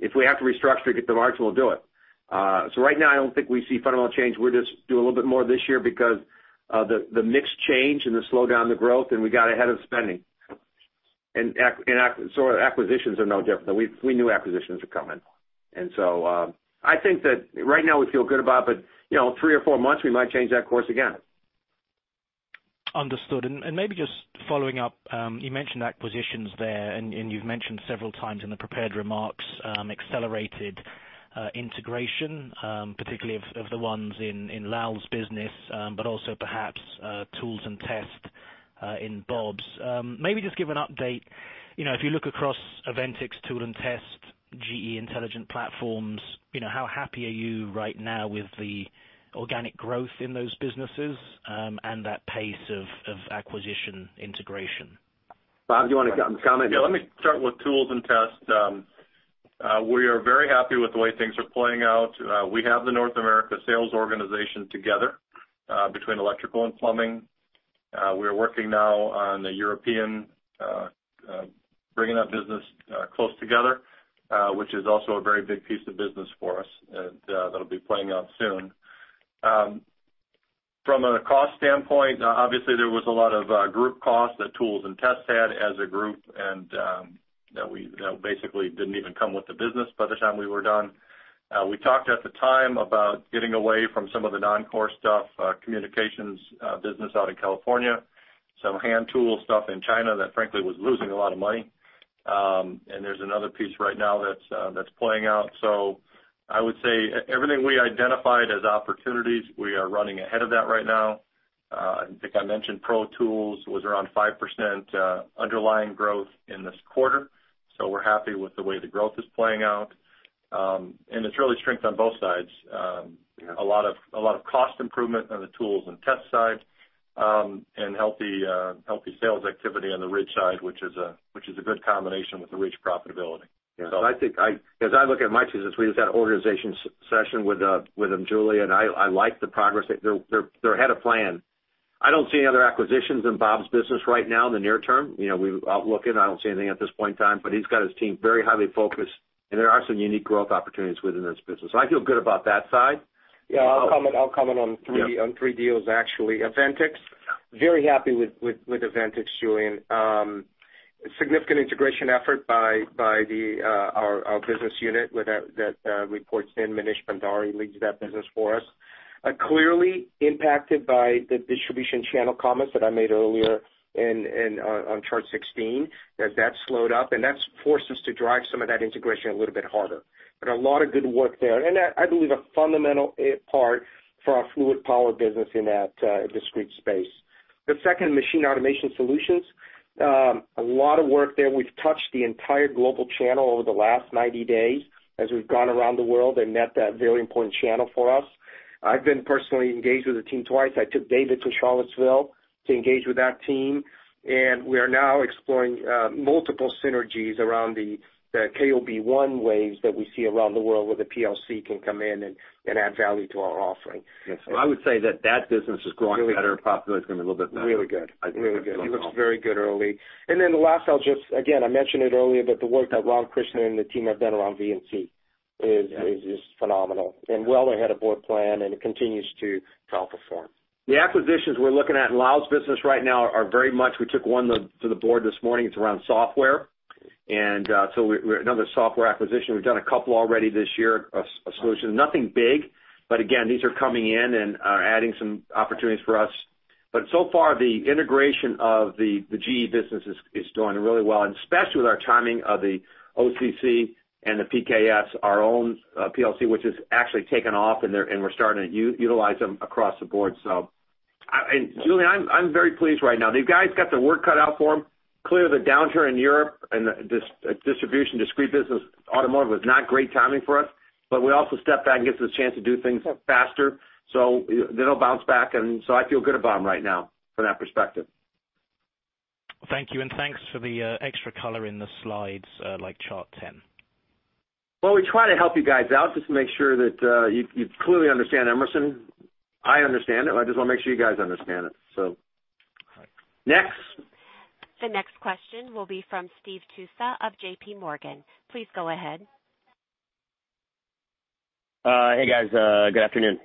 If we have to restructure to get the margin, we'll do it. Right now, I don't think we see fundamental change. We'll just do a little bit more this year because of the mix change and the slowdown, the growth, we got ahead of spending. Acquisitions are no different. We knew acquisitions were coming. I think that right now we feel good about, but three or four months, we might change that course again. Understood. Maybe just following up, you mentioned acquisitions there, you've mentioned several times in the prepared remarks, accelerated integration, particularly of the ones in Lal's business, but also perhaps Tools and Test in Bob's. Maybe just give an update. If you look across Aventics, Tools and Test, GE Intelligent Platforms, how happy are you right now with the organic growth in those businesses and that pace of acquisition integration? Bob, do you want to comment? Yeah, let me start with Tools and Test. We are very happy with the way things are playing out. We have the North America sales organization together between electrical and plumbing. We're working now on the European, bringing that business close together, which is also a very big piece of business for us that'll be playing out soon. From a cost standpoint, obviously, there was a lot of group costs that Tools and Test had as a group, and that basically didn't even come with the business by the time we were done. We talked at the time about getting away from some of the non-core stuff, communications business out in California, some hand tool stuff in China that frankly was losing a lot of money. There's another piece right now that's playing out. I would say everything we identified as opportunities, we are running ahead of that right now. I think I mentioned Pro Tools was around 5% underlying growth in this quarter. We're happy with the way the growth is playing out. It's really strength on both sides. Yeah. A lot of cost improvement on the Tools and Test side, healthy sales activity on the RIDGID side, which is a good combination with the RIDGID profitability. Yeah. As I look at my pieces, we just had an organization session with them, Julian. I like the progress. They're ahead of plan. I don't see any other acquisitions in Bob's business right now in the near term. I'll look at it. I don't see anything at this point in time. He's got his team very highly focused, there are some unique growth opportunities within this business. I feel good about that side. Yeah, I'll comment on three deals actually. Aventics, very happy with Aventics, Julian. Significant integration effort by our business unit that reports in. Manish Bhandari leads that business for us. Clearly impacted by the distribution channel comments that I made earlier on chart 16, that that slowed up, and that's forced us to drive some of that integration a little bit harder. A lot of good work there, and I believe a fundamental part for our fluid power business in that discrete space. The second, Machine Automation Solutions. A lot of work there. We've touched the entire global channel over the last 90 days as we've gone around the world and met that very important channel for us. I've been personally engaged with the team twice. I took David to Charlottesville to engage with that team, we are now exploring multiple synergies around the KOB1 waves that we see around the world where the PLC can come in and add value to our offering. Yes. I would say that that business is growing better, profitability is going to be a little bit better. Really good. It looks very good early. The last, I'll just, again, I mentioned it earlier, but the work that Ram Krishnan and the team have done around VNC is just phenomenal. Well ahead of board plan, and it continues to outperform. The acquisitions we're looking at in Lal's business right now are very much, we took one to the board this morning. It's around software. Another software acquisition. We've done a couple already this year, a solution. Nothing big, but again, these are coming in and are adding some opportunities for us. So far, the integration of the GE business is doing really well, especially with our timing of the OCC and the PKS, our own PLC, which has actually taken off, and we're starting to utilize them across the board. Julian, I'm very pleased right now. These guys got their work cut out for them. Clearly, the downturn in Europe and the distribution discrete business automotive was not great timing for us. We also stepped back and get this chance to do things faster, it'll bounce back, I feel good about them right now from that perspective. Thank you, thanks for the extra color in the slides, like chart 10. We try to help you guys out just to make sure that you clearly understand Emerson. I understand it. I just want to make sure you guys understand it. Next. The next question will be from Steve Tusa of J.P. Morgan. Please go ahead. Hey, guys. Good afternoon.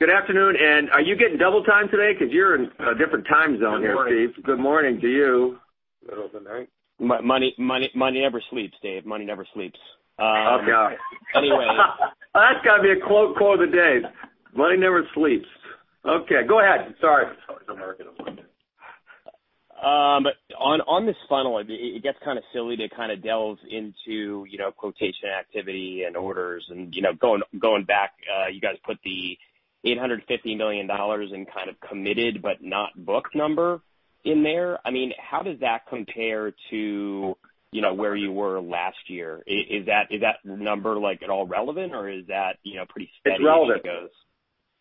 Good afternoon. Are you getting double time today? Because you're in a different time zone here, Steve. Good morning to you. Middle of the night. Money never sleeps, David. Money never sleeps. Okay. Anyway. That's got to be a quote for the day. Money never sleeps. Okay, go ahead. Sorry. On this funnel, it gets kind of silly to kind of delve into quotation activity and orders. Going back, you guys put the $850 million in kind of committed, but not booked number in there. How does that compare to where you were last year? Is that number at all relevant, or is that pretty steady as it goes?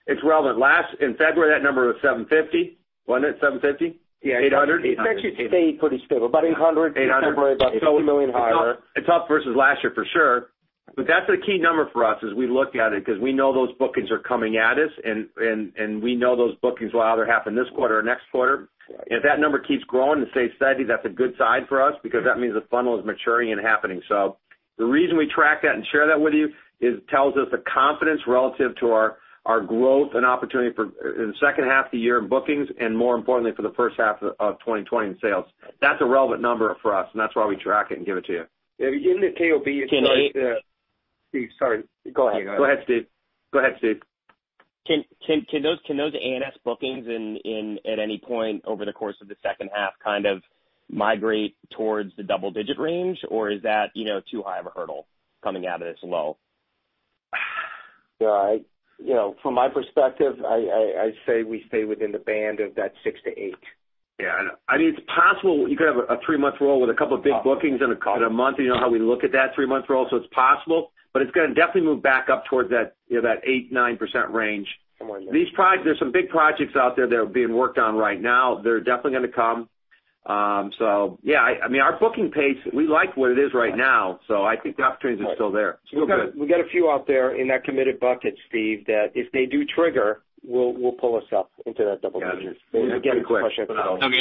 It's relevant. In February, that number was $750 million. Wasn't it $750 million? Yeah. 800? It actually stayed pretty stable, about 800. 800. February about $80 million higher. It's up versus last year for sure. That's a key number for us as we look at it because we know those bookings are coming at us, and we know those bookings will either happen this quarter or next quarter. If that number keeps growing and stays steady, that's a good sign for us because that means the funnel is maturing and happening. The reason we track that and share that with you is it tells us the confidence relative to our growth and opportunity in the second half of the year in bookings, and more importantly, for the first half of 2021 sales. That's a relevant number for us, and that's why we track it and give it to you. In the KOB- Can Steve, sorry. Go ahead. Go ahead, Steve. Can those ANS bookings in, at any point over the course of the second half kind of migrate towards the double-digit range? Or is that too high of a hurdle coming out of this low? From my perspective, I say we stay within the band of that six to eight. Yeah. It's possible you could have a three-month roll with a couple of big bookings in a month. You know how we look at that three-month roll, so it's possible. It's going to definitely move back up towards that 8%, 9% range. Somewhere in there. There's some big projects out there that are being worked on right now. They're definitely going to come. Yeah. Our booking pace, we like where it is right now, so I think the opportunities are still there. We got a few out there in that committed bucket, Steve, that if they do trigger, will pull us up into that double-digit. Got it. The question for the long-term.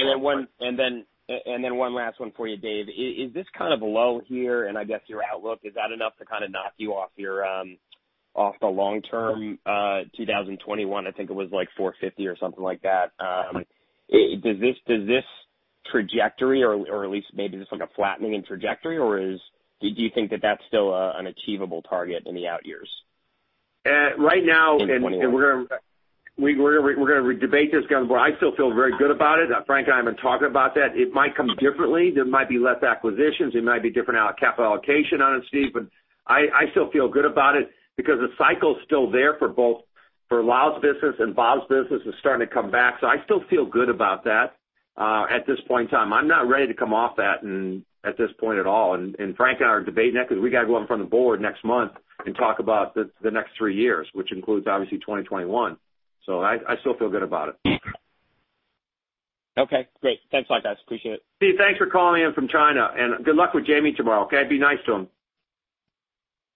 Okay. Then one last one for you, Dave. Is this kind of low here, and I guess your outlook, is that enough to kind of knock you off the long-term 2021, I think it was like $450 or something like that. trajectory, or at least maybe just like a flattening in trajectory, or do you think that that's still an achievable target in the out years? Right now- In 2021. We're going to debate this. I still feel very good about it. Frank and I have been talking about that. It might come differently. There might be less acquisitions. It might be different capital allocation on it, Steve. I still feel good about it because the cycle's still there for both, for Lal's business and Bob's business is starting to come back. I still feel good about that. At this point in time, I'm not ready to come off that at this point at all. Frank and I are debating that because we got to go up in front of the board next month and talk about the next three years, which includes obviously 2021. I still feel good about it. Okay, great. Thanks, Lal. Guys, appreciate it. Steve, thanks for calling in from China. Good luck with Jamie tomorrow, okay? Be nice to him.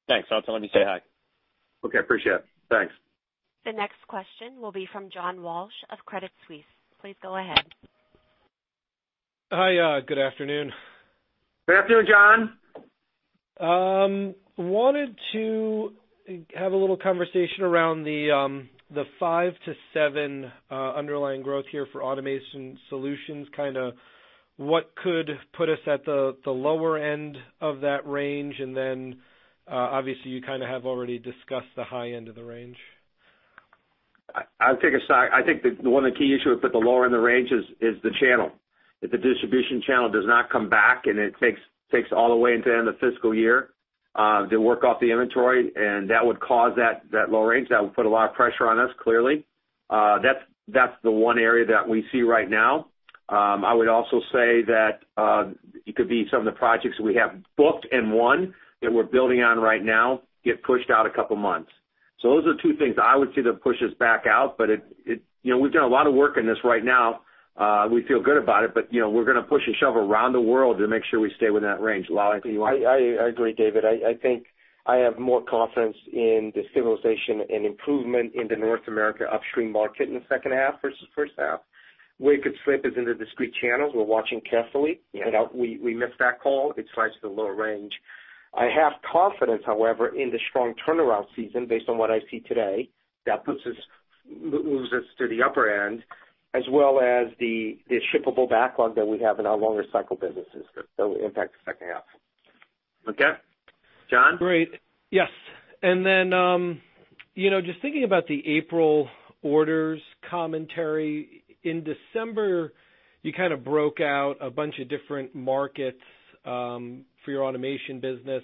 Thanks. I'll tell him you say hi. Okay. Appreciate it. Thanks. The next question will be from John Walsh of Credit Suisse. Please go ahead. Hi. Good afternoon. Good afternoon, John. Wanted to have a little conversation around the 5%-7% underlying growth here for Automation Solutions. Kind of what could put us at the lower end of that range? Obviously, you kind of have already discussed the high end of the range. I think the one of the key issues that put the lower end of range is the channel. If the distribution channel does not come back, it takes all the way into the end of the fiscal year to work off the inventory, that would cause that low range. That would put a lot of pressure on us, clearly. That's the one area that we see right now. I would also say that it could be some of the projects we have booked and won that we're building on right now get pushed out a couple of months. Those are two things I would see that push us back out. We've done a lot of work in this right now. We feel good about it. We're going to push and shove around the world to make sure we stay within that range. Lal, anything you want to- I agree, David. I think I have more confidence in the stabilization and improvement in the North America upstream market in the second half versus first half. Where it could slip is in the discrete channels. We're watching carefully. Yeah. We missed that call. It slides to the lower range. I have confidence, however, in the strong turnaround season based on what I see today that moves us to the upper end, as well as the shippable backlog that we have in our longer cycle businesses that will impact the second half. Okay. John? Great. Yes. Then, just thinking about the April orders commentary. In December, you kind of broke out a bunch of different markets for your automation business.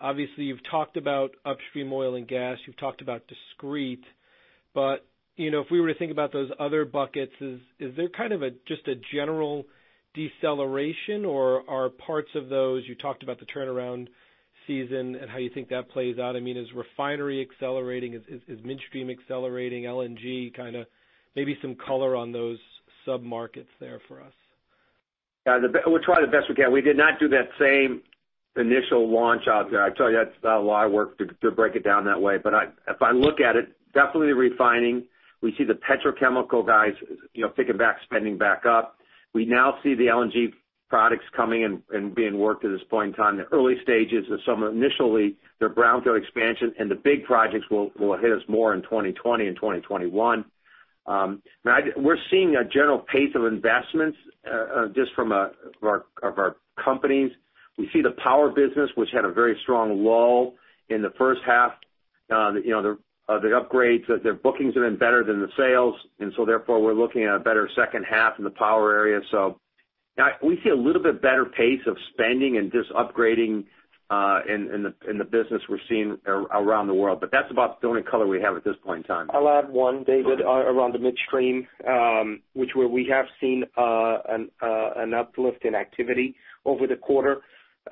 Obviously, you've talked about upstream oil and gas, you've talked about discrete. If we were to think about those other buckets, is there kind of just a general deceleration, or are parts of those You talked about the turnaround season and how you think that plays out. I mean, is refinery accelerating? Is midstream accelerating, LNG kind of? Maybe some color on those sub-markets there for us. Yeah. We'll try the best we can. We did not do that same initial launch out there. I tell you, that's a lot of work to break it down that way. If I look at it, definitely refining. We see the petrochemical guys thinking about spending back up. We now see the LNG products coming in and being worked at this point in time, the early stages of some are initially they're brownfield expansion, and the big projects will hit us more in 2020 and 2021. We're seeing a general pace of investments, just from of our companies. We see the power business, which had a very strong lull in the first half. The upgrades, their bookings have been better than the sales, therefore, we're looking at a better second half in the power area. We see a little bit better pace of spending and just upgrading in the business we're seeing around the world. That's about the only color we have at this point in time. I'll add one, David, around the midstream, where we have seen an uplift in activity over the quarter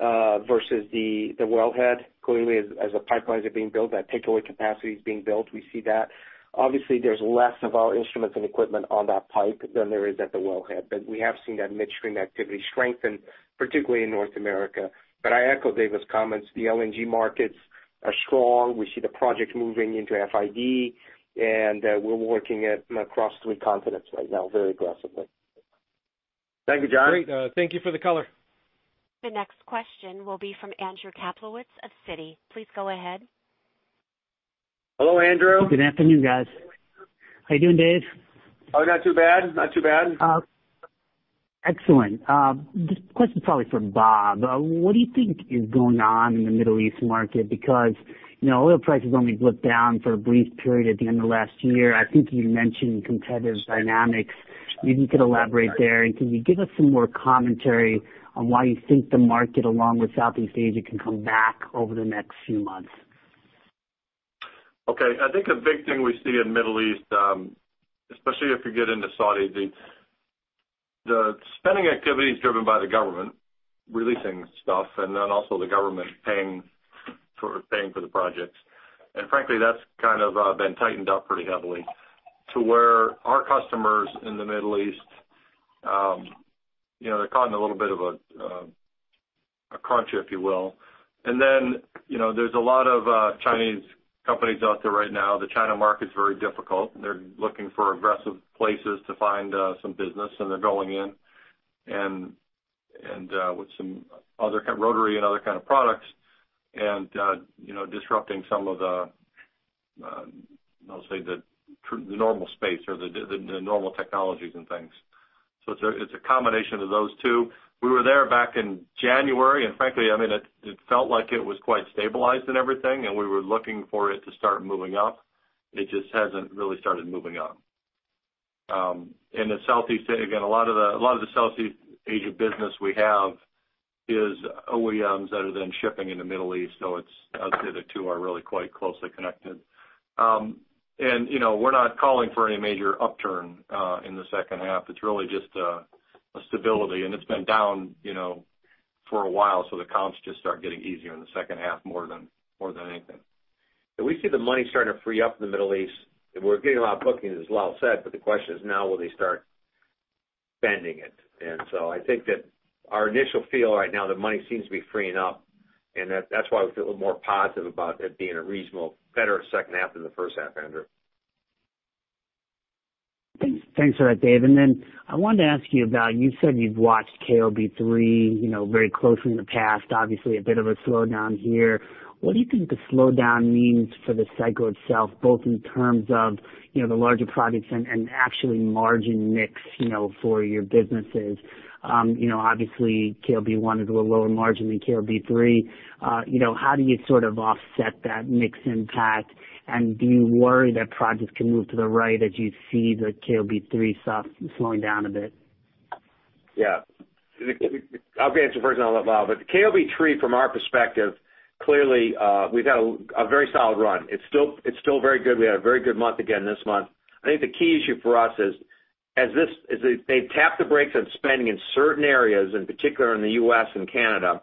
versus the wellhead. Clearly, as the pipelines are being built, that takeaway capacity is being built. We see that. Obviously, there's less of our instruments and equipment on that pipe than there is at the wellhead. We have seen that midstream activity strengthen, particularly in North America. I echo David's comments. The LNG markets are strong. We see the project moving into FID, and we're working across three continents right now very aggressively. Thank you, John. Great. Thank you for the color. The next question will be from Andrew Kaplowitz of Citi. Please go ahead. Hello, Andrew. Good afternoon, guys. How you doing, Dave? Not too bad. Excellent. This question is probably for Bob. What do you think is going on in the Middle East market? Because oil prices only blipped down for a brief period at the end of last year. I think you mentioned competitive dynamics. Maybe you could elaborate there. Can you give us some more commentary on why you think the market along with Southeast Asia can come back over the next few months? Okay. I think a big thing we see in Middle East, especially if you get into Saudi, the spending activity is driven by the government releasing stuff and then also the government paying for the projects. Frankly, that's kind of been tightened up pretty heavily to where our customers in the Middle East, they're caught in a little bit of a crunch, if you will. There's a lot of Chinese companies out there right now. The China market's very difficult, and they're looking for aggressive places to find some business, and they're going in. With some other kind of rotary and other kind of products, and disrupting some of the, I'll say, the normal space or the normal technologies and things. It's a combination of those two. We were there back in January, and frankly, it felt like it was quite stabilized and everything, and we were looking for it to start moving up. It just hasn't really started moving up. In the Southeast, again, a lot of the Southeast Asia business we have is OEMs that are then shipping in the Middle East. I'll say the two are really quite closely connected. We're not calling for any major upturn in the second half. It's really just a stability, and it's been down for a while, so the comps just start getting easier in the second half more than anything. We see the money starting to free up in the Middle East. We're getting a lot of bookings, as Lal said, but the question is now, will they start spending it? I think that our initial feel right now, the money seems to be freeing up, and that's why we feel more positive about it being a reasonable better second half than the first half, Andrew. Thanks for that, Dave. I wanted to ask you about, you said you've watched KOB 3 very closely in the past. Obviously a bit of a slowdown here. What do you think the slowdown means for the cycle itself, both in terms of the larger projects and actually margin mix for your businesses? Obviously KOB 1 is a little lower margin than KOB 3. How do you sort of offset that mix impact, and do you worry that projects can move to the right as you see the KOB 3 stuff slowing down a bit? Yeah. I'll answer first and then Lal. KOB 3 from our perspective, clearly, we've had a very solid run. It's still very good. We had a very good month again this month. I think the key issue for us is as they tap the brakes on spending in certain areas, in particular in the U.S. and Canada,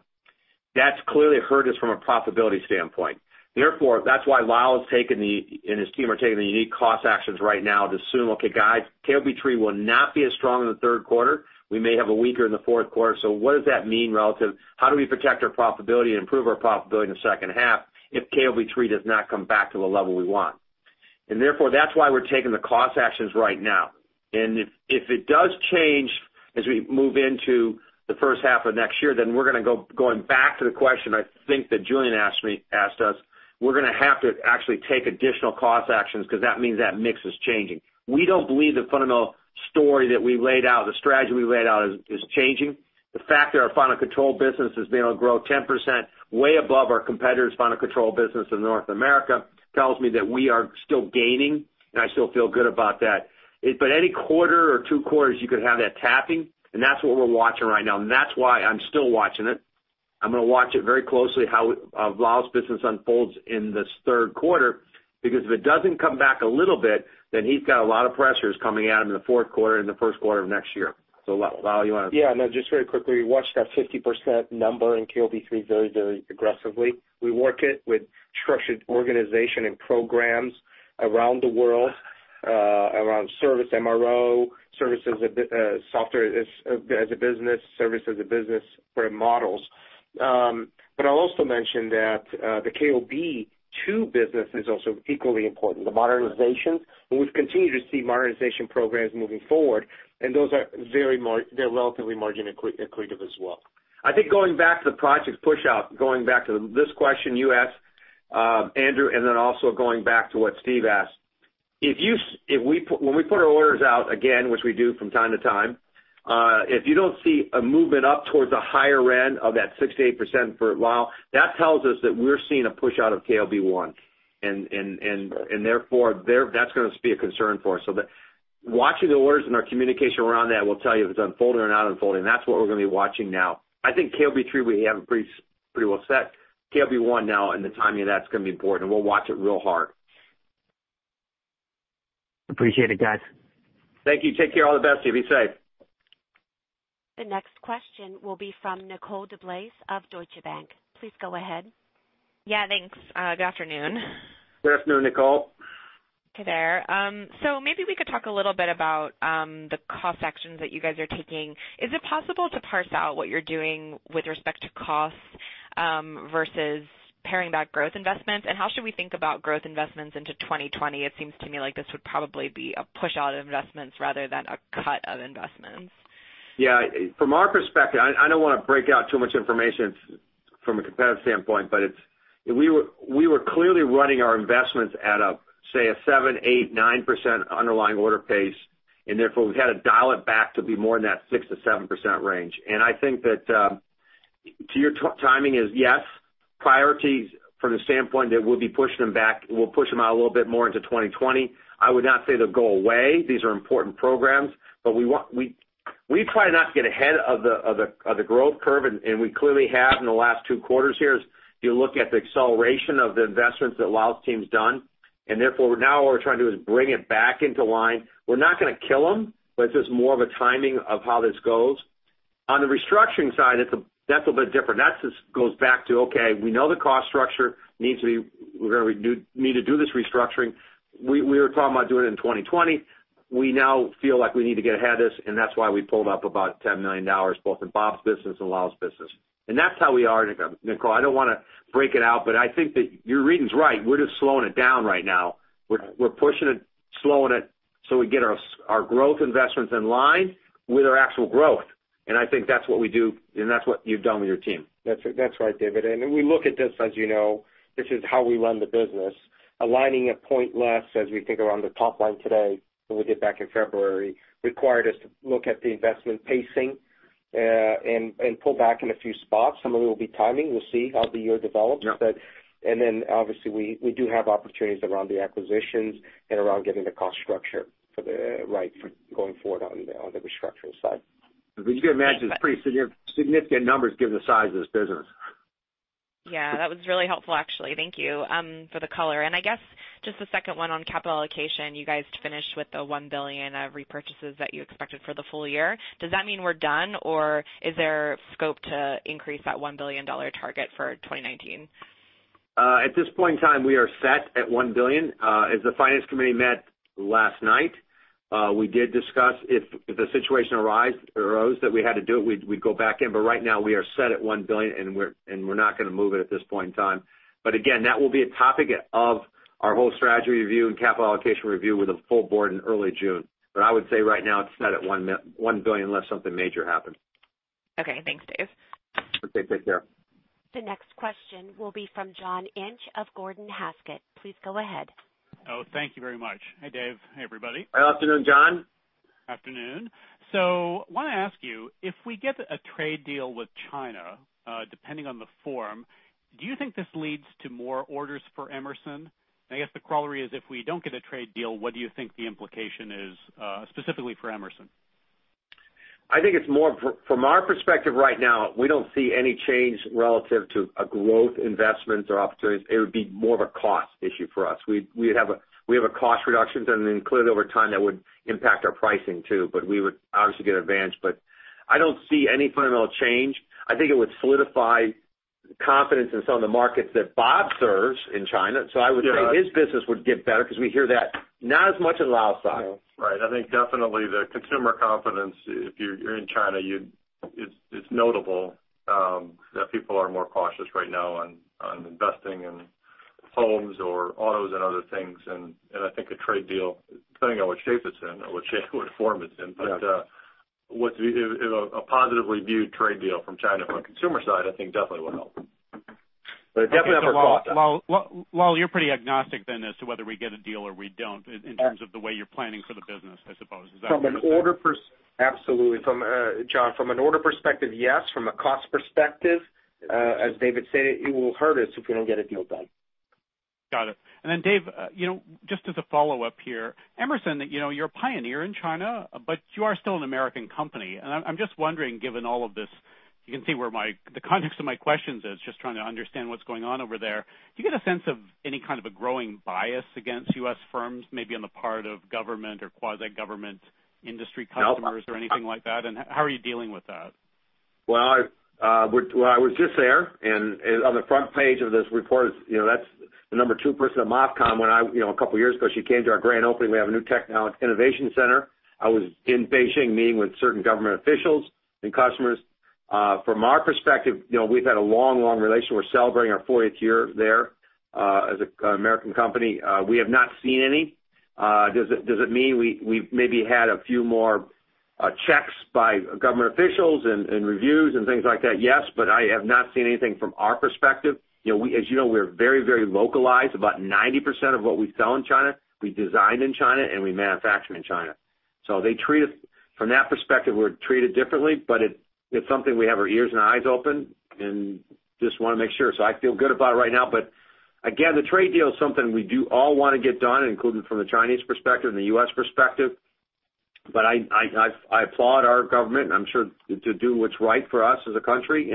that's clearly hurt us from a profitability standpoint. Therefore, that's why Lal and his team are taking the unique cost actions right now to assume, okay, guys, KOB 3 will not be as strong in the third quarter. We may have a weaker in the fourth quarter. What does that mean relative-- how do we protect our profitability and improve our profitability in the second half if KOB 3 does not come back to the level we want? Therefore, that's why we're taking the cost actions right now. If it does change as we move into the first half of next year, we're going back to the question I think that Julian asked us. We're going to have to actually take additional cost actions because that means that mix is changing. We don't believe the fundamental story that we laid out, the strategy we laid out is changing. The fact that our final control business has been able to grow 10%, way above our competitor's final control business in North America tells me that we are still gaining, and I still feel good about that. Any quarter or two quarters, you could have that tapping, and that's what we're watching right now. That's why I'm still watching it. I'm going to watch it very closely how Lal's business unfolds in this third quarter. If it doesn't come back a little bit, he's got a lot of pressures coming at him in the fourth quarter and the first quarter of next year. Lal, you want to- Just very quickly, we watched that 50% number in KOB 3 very aggressively. We work it with structured organization and programs around the world, around service MRO, software as a business, service as a business for our models. I'll also mention that the KOB 2 business is also equally important. The modernizations, and we've continued to see modernization programs moving forward, and those are relatively margin accretive as well. I think going back to the project push out, going back to this question you asked, Andrew, also going back to what Steve asked. When we put our orders out again, which we do from time to time, if you don't see a movement up towards the higher end of that 6%-8% for Lal, that tells us that we're seeing a push out of KOB 1. Therefore, that's going to be a concern for us. Watching the orders and our communication around that will tell you if it's unfolding or not unfolding. That's what we're going to be watching now. I think KOB 3, we have pretty well set. KOB 1 now and the timing of that's going to be important, and we'll watch it real hard. Appreciate it, guys. Thank you. Take care. All the best to you. Be safe. The next question will be from Nicole DeBlase of Deutsche Bank. Please go ahead. Yeah, thanks. Good afternoon. Good afternoon, Nicole. Hey there. Maybe we could talk a little bit about the cost actions that you guys are taking. Is it possible to parse out what you are doing with respect to costs versus paring back growth investments? How should we think about growth investments into 2020? It seems to me like this would probably be a push out of investments rather than a cut of investments. Yeah. From our perspective, I don't want to break out too much information from a competitive standpoint, but we were clearly running our investments at say a 7%, 8%, 9% underlying order pace, and therefore we've had to dial it back to be more in that 6%-7% range. I think that to your timing is yes, priorities from the standpoint that we'll be pushing them back. We'll push them out a little bit more into 2020. I would not say they'll go away. These are important programs, but we try not to get ahead of the growth curve, and we clearly have in the last two quarters here, as you look at the acceleration of the investments that Lal's team's done. Therefore now what we're trying to do is bring it back into line. We're not going to kill them, but it's just more of a timing of how this goes. The restructuring side, that's a bit different. That just goes back to, okay, we know the cost structure, we need to do this restructuring. We were talking about doing it in 2020. We now feel like we need to get ahead of this, that's why we pulled up about $10 million both in Bob's business and Lal's business. That's how we are, Nicole. I don't want to break it out, I think that your reading's right. We're just slowing it down right now. We're pushing it, slowing it so we get our growth investments in line with our actual growth. I think that's what we do, that's what you've done with your team. That's right, David. We look at this, as you know, this is how we run the business. Aligning at point less as we think around the top line today than we did back in February, required us to look at the investment pacing, and pull back in a few spots. Some of it will be timing. We'll see how the year develops. Yeah. Obviously we do have opportunities around the acquisitions and around getting the cost structure right for going forward on the restructuring side. You can imagine it's pretty significant numbers given the size of this business. Yeah. That was really helpful actually. Thank you for the color. I guess just the second one on capital allocation. You guys finished with the $1 billion of repurchases that you expected for the full year. Does that mean we're done, or is there scope to increase that $1 billion target for 2019? At this point in time, we are set at $1 billion. As the finance committee met last night, we did discuss if the situation arose that we had to do it, we'd go back in. Right now, we are set at $1 billion, and we're not going to move it at this point in time. Again, that will be a topic of our whole strategy review and capital allocation review with the full board in early June. I would say right now it's set at $1 billion, unless something major happens. Okay. Thanks, Dave. Okay. Take care. The next question will be from John Inch of Gordon Haskett. Please go ahead. Oh, thank you very much. Hi, Dave. Hey, everybody. Hi. Afternoon, John. Afternoon. I want to ask you, if we get a trade deal with China, depending on the form, do you think this leads to more orders for Emerson? I guess the corollary is, if we don't get a trade deal, what do you think the implication is, specifically for Emerson? From our perspective right now, we don't see any change relative to a growth investment or opportunities. It would be more of a cost issue for us. We have a cost reductions, and then clearly over time, that would impact our pricing too. We would obviously get advantage. I don't see any fundamental change. I think it would solidify confidence in some of the markets that Bob serves in China. I would say his business would get better because we hear that not as much as Lal's side. Right. I think definitely the consumer confidence, if you're in China, it's notable that people are more cautious right now on investing in homes or autos and other things. I think a trade deal, depending on what shape it's in or what form it's in. Yeah. A positively viewed trade deal from China from a consumer side, I think definitely will help. It definitely have a cost. Lal, you're pretty agnostic as to whether we get a deal or we don't in terms of the way you're planning for the business, I suppose. Is that? Absolutely. John, from an order perspective, yes. From a cost perspective, as David said, it will hurt us if we don't get a deal done. Got it. Dave, just as a follow-up here, Emerson, you're a pioneer in China, but you are still a U.S. company. I'm just wondering, given all of this, you can see where the context of my questions is, just trying to understand what's going on over there. Do you get a sense of any kind of a growing bias against U.S. firms, maybe on the part of government or quasi-government industry customers. No or anything like that? How are you dealing with that? I was just there, on the front page of this report, that's the number 2 person at MOFCOM. A couple of years ago, she came to our grand opening. We have a new technology innovation center. I was in Beijing meeting with certain government officials and customers. From our perspective, we've had a long, long relationship. We're celebrating our 40th year there. As an American company, we have not seen any. Does it mean we've maybe had a few more checks by government officials and reviews and things like that? Yes, I have not seen anything from our perspective. As you know, we're very localized. About 90% of what we sell in China, we design in China, we manufacture in China. From that perspective, we're treated differently. It's something we have our ears and eyes open, just want to make sure. I feel good about it right now. Again, the trade deal is something we do all want to get done, including from the Chinese perspective and the U.S. perspective. I applaud our government, I'm sure to do what's right for us as a country.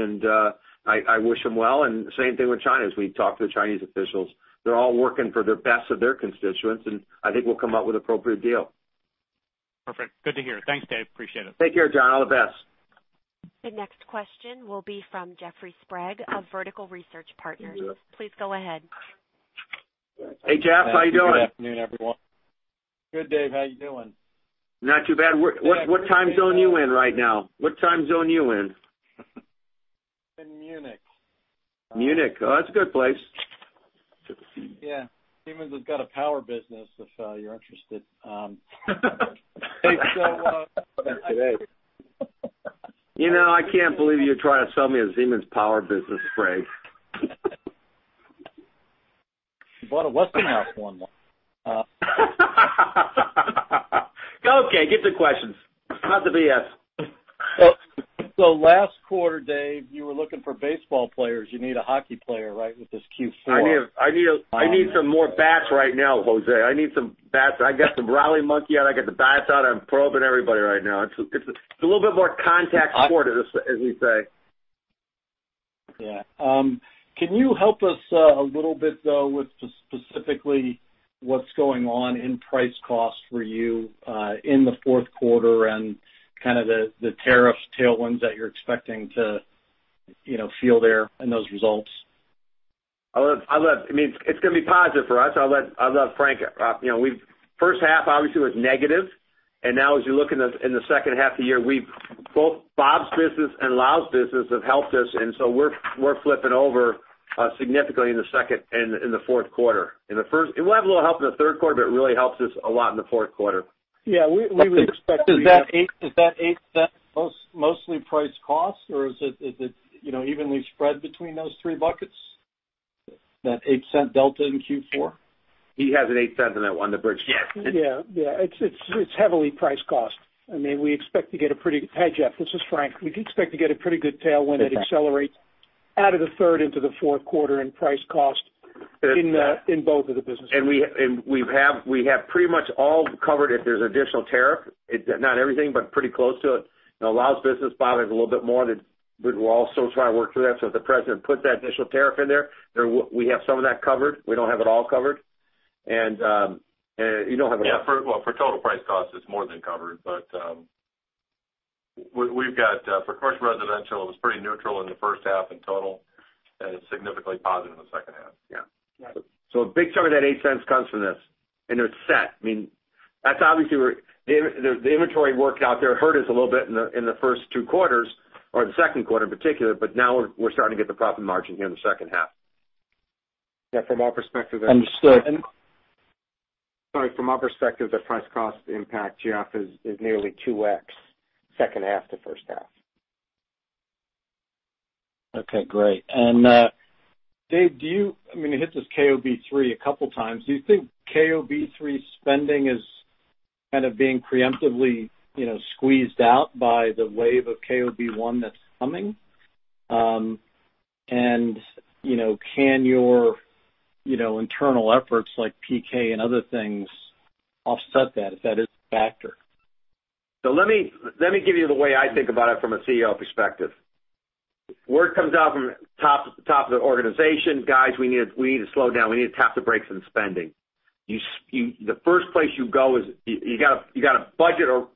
I wish them well. Same thing with China, as we talk to the Chinese officials. They're all working for the best of their constituents, I think we'll come out with appropriate deal. Perfect. Good to hear. Thanks, Dave. Appreciate it. Take care, John. All the best. The next question will be from Jeffrey Sprague of Vertical Research Partners. Please go ahead. Hey, Jeff. How you doing? Good afternoon, everyone. Good, Dave. How you doing? Not too bad. What time zone you in right now? In Munich. Munich? Oh, that's a good place. Yeah. Siemens has got a power business if you're interested. You know, I can't believe you're trying to sell me a Siemens power business, Sprague. You bought a Westinghouse one once. Okay, get to questions. Cut the BS. Last quarter, Dave, you were looking for baseball players. You need a hockey player, right, with this Q4? I need some more bats right now, Jose. I need some bats. I got the rally monkey out. I got the bats out. I'm probing everybody right now. It's a little bit more contact sport as we say. Yeah. Can you help us a little bit though with specifically what's going on in price cost for you in the fourth quarter and kind of the tariffs tailwinds that you're expecting to feel there in those results? It's going to be positive for us. First half obviously was negative. Now as you look in the second half of the year, both Bob's business and Lal's business have helped us. We're flipping over significantly in the second and in the fourth quarter. It will have a little help in the third quarter, but it really helps us a lot in the fourth quarter. Yeah. We would expect- Is that $0.08 mostly price cost, or is it evenly spread between those three buckets? That $0.08 delta in Q4? He has an $0.08 on the bridge. Yeah. It's heavily price cost. Hi, Jeff, this is Frank. We do expect to get a pretty good tailwind that accelerates out of the third into the fourth quarter in price cost in both of the businesses. We have pretty much all covered if there's additional tariff, not everything, but pretty close to it. Lal's business bothers a little bit more, but we're also trying to work through that, so if the president puts that additional tariff in there, we have some of that covered. We don't have it all covered. You don't have it all. Yeah. Well, for total price cost, it's more than covered. For course, residential, it was pretty neutral in the first half in total, and it's significantly positive in the second half. Yeah. Right. A big chunk of that $0.08 comes from this, and they're set. The inventory work out there hurt us a little bit in the first two quarters, or the second quarter in particular, but now we're starting to get the profit margin here in the second half. Yeah, from our perspective- Understood. Sorry. From our perspective, the price cost impact, Jeff, is nearly 2x second half to first half. Okay, great. Dave, you hit this KOB3 a couple times. Do you think KOB3 spending is kind of being preemptively squeezed out by the wave of KOB1 that's coming? Can your internal efforts like PK and other things offset that, if that is a factor? Let me give you the way I think about it from a CEO perspective. Word comes out from top of the organization, "Guys, we need to slow down. We need to tap the brakes on spending." You got a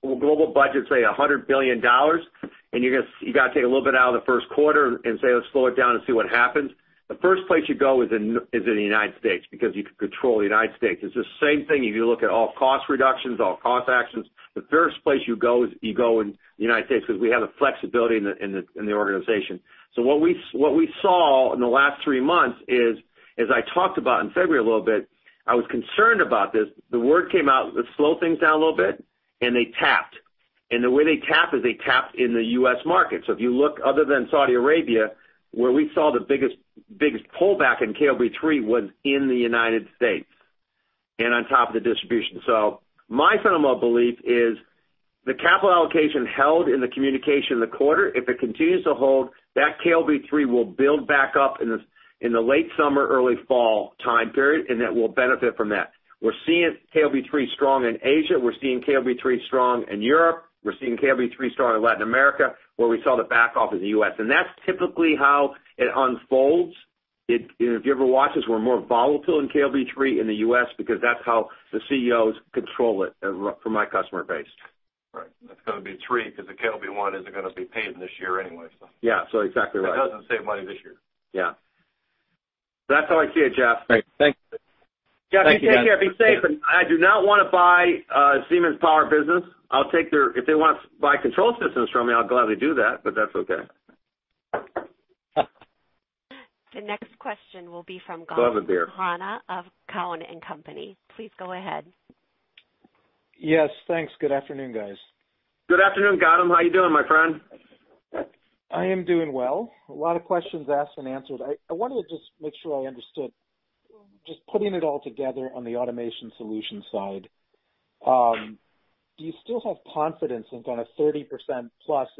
global budget, say $100 billion, and you got to take a little bit out of the first quarter and say, "Let's slow it down and see what happens." The first place you go is in the United States, because you can control the United States. It's the same thing if you look at all cost reductions, all cost actions. The first place you go is you go in the United States because we have the flexibility in the organization. What we saw in the last three months is, as I talked about in February a little bit, I was concerned about this. The word came out, let's slow things down a little bit, and they tapped. The way they tap is they tapped in the U.S. market. If you look other than Saudi Arabia, where we saw the biggest pullback in KOB3 was in the United States, and on top of the distribution. My fundamental belief is the capital allocation held in the communication in the quarter. If it continues to hold, that KOB3 will build back up in the late summer, early fall time period, and that we'll benefit from that. We're seeing KOB3 strong in Asia. We're seeing KOB3 strong in Europe. We're seeing KOB3 strong in Latin America, where we saw the back off in the U.S. That's typically how it unfolds. If you ever watch us, we're more volatile in KOB3 in the U.S. because that's how the CEOs control it from my customer base. Right. That's got to be 3 because the KOB1 isn't going to be paid this year anyway. Yeah. Exactly right. It doesn't save money this year. Yeah. That's how I see it, Jeff. Great. Thanks. Jeff, you take care. Be safe. I do not want to buy Siemens power business. If they want to buy control systems from me, I'll gladly do that, but that's okay. The next question will be from- Love a beer. Gautam Khanna of Cowen and Company. Please go ahead. Yes, thanks. Good afternoon, guys. Good afternoon, Gautam. How you doing, my friend? I am doing well. A lot of questions asked and answered. I wanted to just make sure I understood. Just putting it all together on the Automation Solutions side, do you still have confidence in kind of 30%+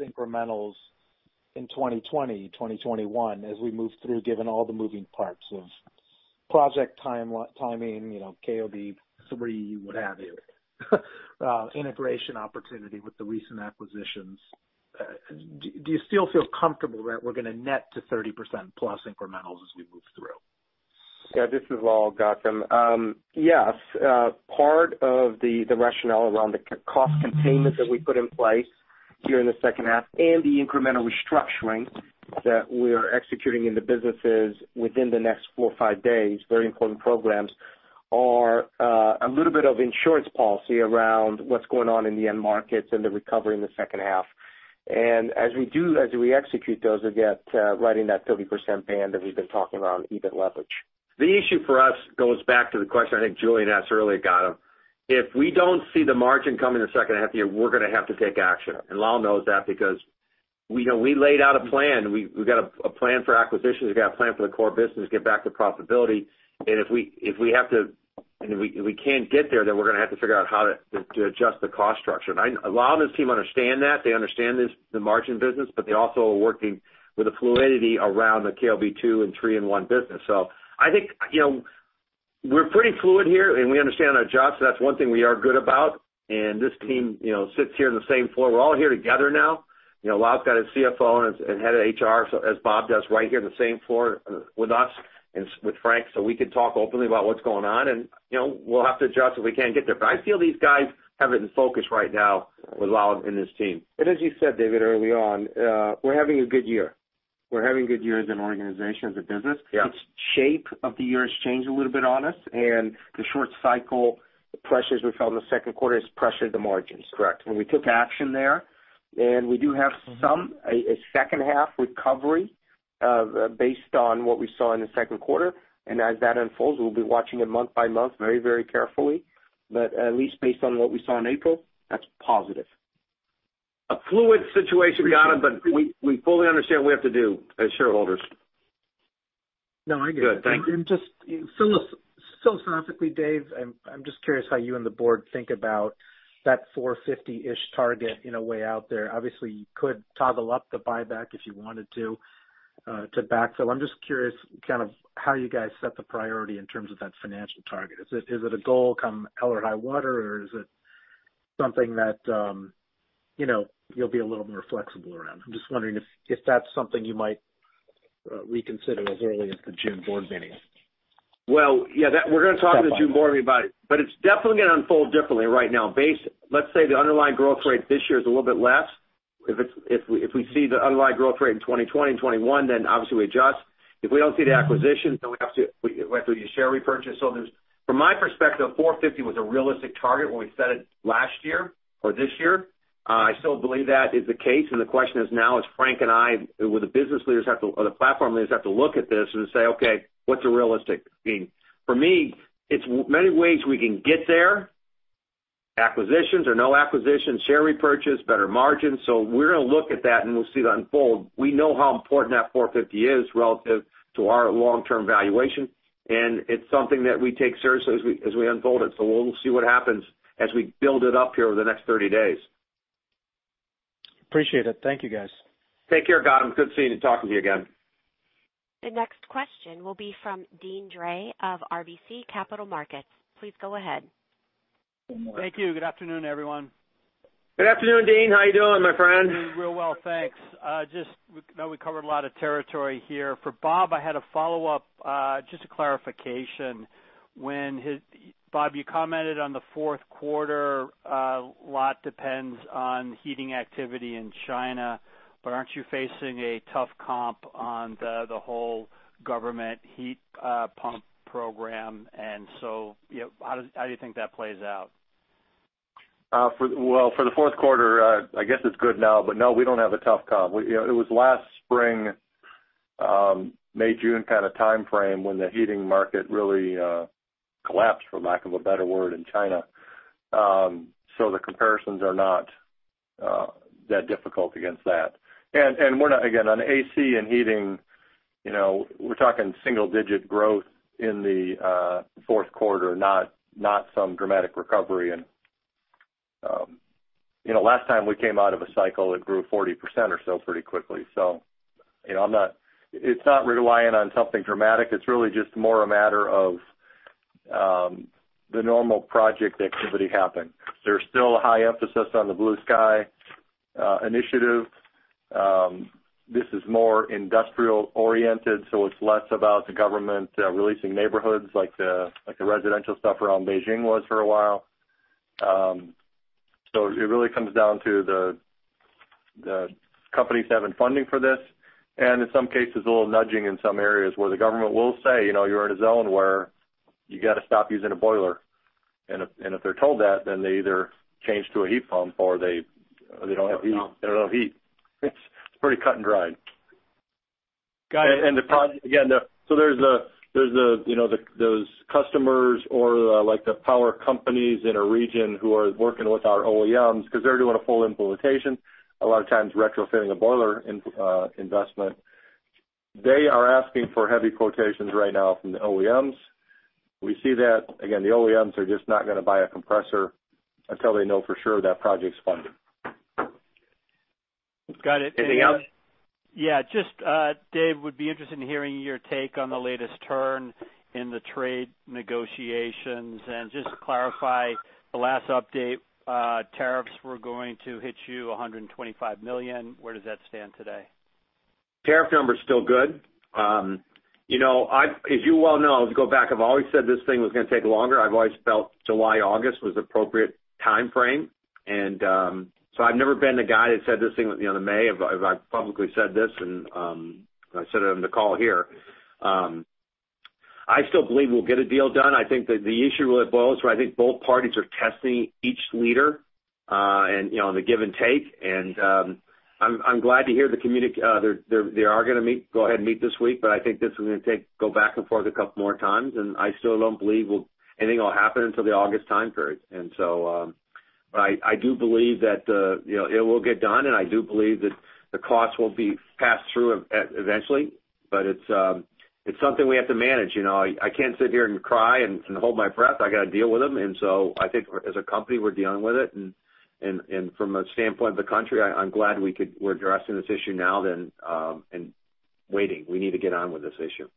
incrementals in 2020, 2021 as we move through, given all the moving parts of project timing, KOB3, what have you? Integration opportunity with the recent acquisitions. Do you still feel comfortable that we're going to net to 30%+ incrementals as we move through? Yeah, this is Lal, Gautam. Yes. Part of the rationale around the cost containment that we put in place here in the second half and the incremental restructuring that we're executing in the businesses within the next four or five days, very important programs, are a little bit of insurance policy around what's going on in the end markets and the recovery in the second half. As we execute those, we get right in that 30% band that we've been talking around, even leverage. The issue for us goes back to the question I think Julian asked earlier, Gautam. If we don't see the margin come in the second half of the year, we're going to have to take action. Lal knows that because we laid out a plan. We've got a plan for acquisitions. We've got a plan for the core business to get back to profitability. If we can't get there, we're going to have to figure out how to adjust the cost structure. Lal and his team understand that. They understand the margin business, but they also are working with a fluidity around the KOB2 and 3 in one business. I think we're pretty fluid here, we understand our jobs. That's one thing we are good about. This team sits here on the same floor. We're all here together now. Lal's got his CFO and head of HR, as Bob does, right here on the same floor with us and with Frank, we can talk openly about what's going on. We'll have to adjust if we can't get there. I feel these guys have it in focus right now with Lal and his team. As you said, David, early on, we're having a good year. We're having good years in organization as a business. Yeah. Its shape of the year has changed a little bit on us, and the short cycle pressures we felt in the second quarter has pressured the margins. Correct. We took action there, and we do have some second half recovery, based on what we saw in the second quarter. As that unfolds, we'll be watching it month by month very carefully. At least based on what we saw in April, that's positive. A fluid situation, Gautam, but we fully understand what we have to do as shareholders. No, I get it. Good, thanks. Just philosophically, Dave, I'm just curious how you and the board think about that 450-ish target in a way out there. Obviously, you could toggle up the buyback if you wanted to backfill. I'm just curious how you guys set the priority in terms of that financial target. Is it a goal come hell or high water, or is it something that you'll be a little more flexible around? I'm just wondering if that's something you might reconsider as early as the June board meeting. Well, yeah, we're going to talk to the June board meeting about it's definitely going to unfold differently right now. Let's say the underlying growth rate this year is a little bit less. If we see the underlying growth rate in 2020 and 2021, obviously we adjust. If we don't see the acquisition, we have to use share repurchase. From my perspective, 450 was a realistic target when we set it last year or this year. I still believe that is the case, and the question is now is Frank and I with the business leaders or the platform leaders have to look at this and say, "Okay, what's a realistic?" For me, it's many ways we can get there. Acquisitions or no acquisitions, share repurchase, better margins. We're going to look at that, and we'll see that unfold. We know how important that 450 is relative to our long-term valuation, and it's something that we take seriously as we unfold it. We'll see what happens as we build it up here over the next 30 days. Appreciate it. Thank you guys. Take care, Gautam. Good seeing you, talking to you again. The next question will be from Deane Dray of RBC Capital Markets. Please go ahead. Thank you. Good afternoon, everyone. Good afternoon, Deane. How are you doing, my friend? Real well, thanks. Just know we covered a lot of territory here. For Bob, I had a follow-up, just a clarification. Bob, you commented on the fourth quarter, a lot depends on heating activity in China. Aren't you facing a tough comp on the whole government heat pump program? How do you think that plays out? Well, for the fourth quarter, I guess it's good now. No, we don't have a tough comp. It was last spring, May, June kind of timeframe when the heating market really collapsed, for lack of a better word, in China. The comparisons are not that difficult against that. We're not, again, on AC and heating we're talking single-digit growth in the fourth quarter, not some dramatic recovery. Last time we came out of a cycle, it grew 40% or so pretty quickly. It's not relying on something dramatic. It's really just more a matter of the normal project activity happening. There's still a high emphasis on the Blue Sky initiative. This is more industrial-oriented, so it's less about the government releasing neighborhoods like the residential stuff around Beijing was for a while. It really comes down to the companies having funding for this, in some cases, a little nudging in some areas where the government will say, "You're in a zone where you got to stop using a boiler." If they're told that, then they either change to a heat pump or they don't have heat. It's pretty cut and dry. Got it. Again, there's those customers or the power companies in a region who are working with our OEMs because they're doing a full implementation. A lot of times retrofitting a boiler investment. They are asking for heavy quotations right now from the OEMs. We see that again, the OEMs are just not going to buy a compressor until they know for sure that project's funded. Got it. Anything else? Yeah, just Dave, would be interested in hearing your take on the latest turn in the trade negotiations. Just to clarify, the last update, tariffs were going to hit you $125 million. Where does that stand today? Tariff number is still good. As you well know, to go back, I've always said this thing was going to take longer. I've always felt July, August was appropriate timeframe. I've never been the guy that said this thing at the end of May. I've publicly said this, and I said it on the call here. I still believe we'll get a deal done. I think that the issue really boils where I think both parties are testing each leader, and the give and take, and I'm glad to hear they are going to go ahead and meet this week, I think this is going to go back and forth a couple more times, I still don't believe anything will happen until the August time period. I do believe that it will get done, and I do believe that the costs will be passed through eventually. It's something we have to manage. I can't sit here and cry and hold my breath. I got to deal with them. I think as a company, we're dealing with it. From a standpoint of the country, I'm glad we're addressing this issue now than waiting. We need to get on with this issue.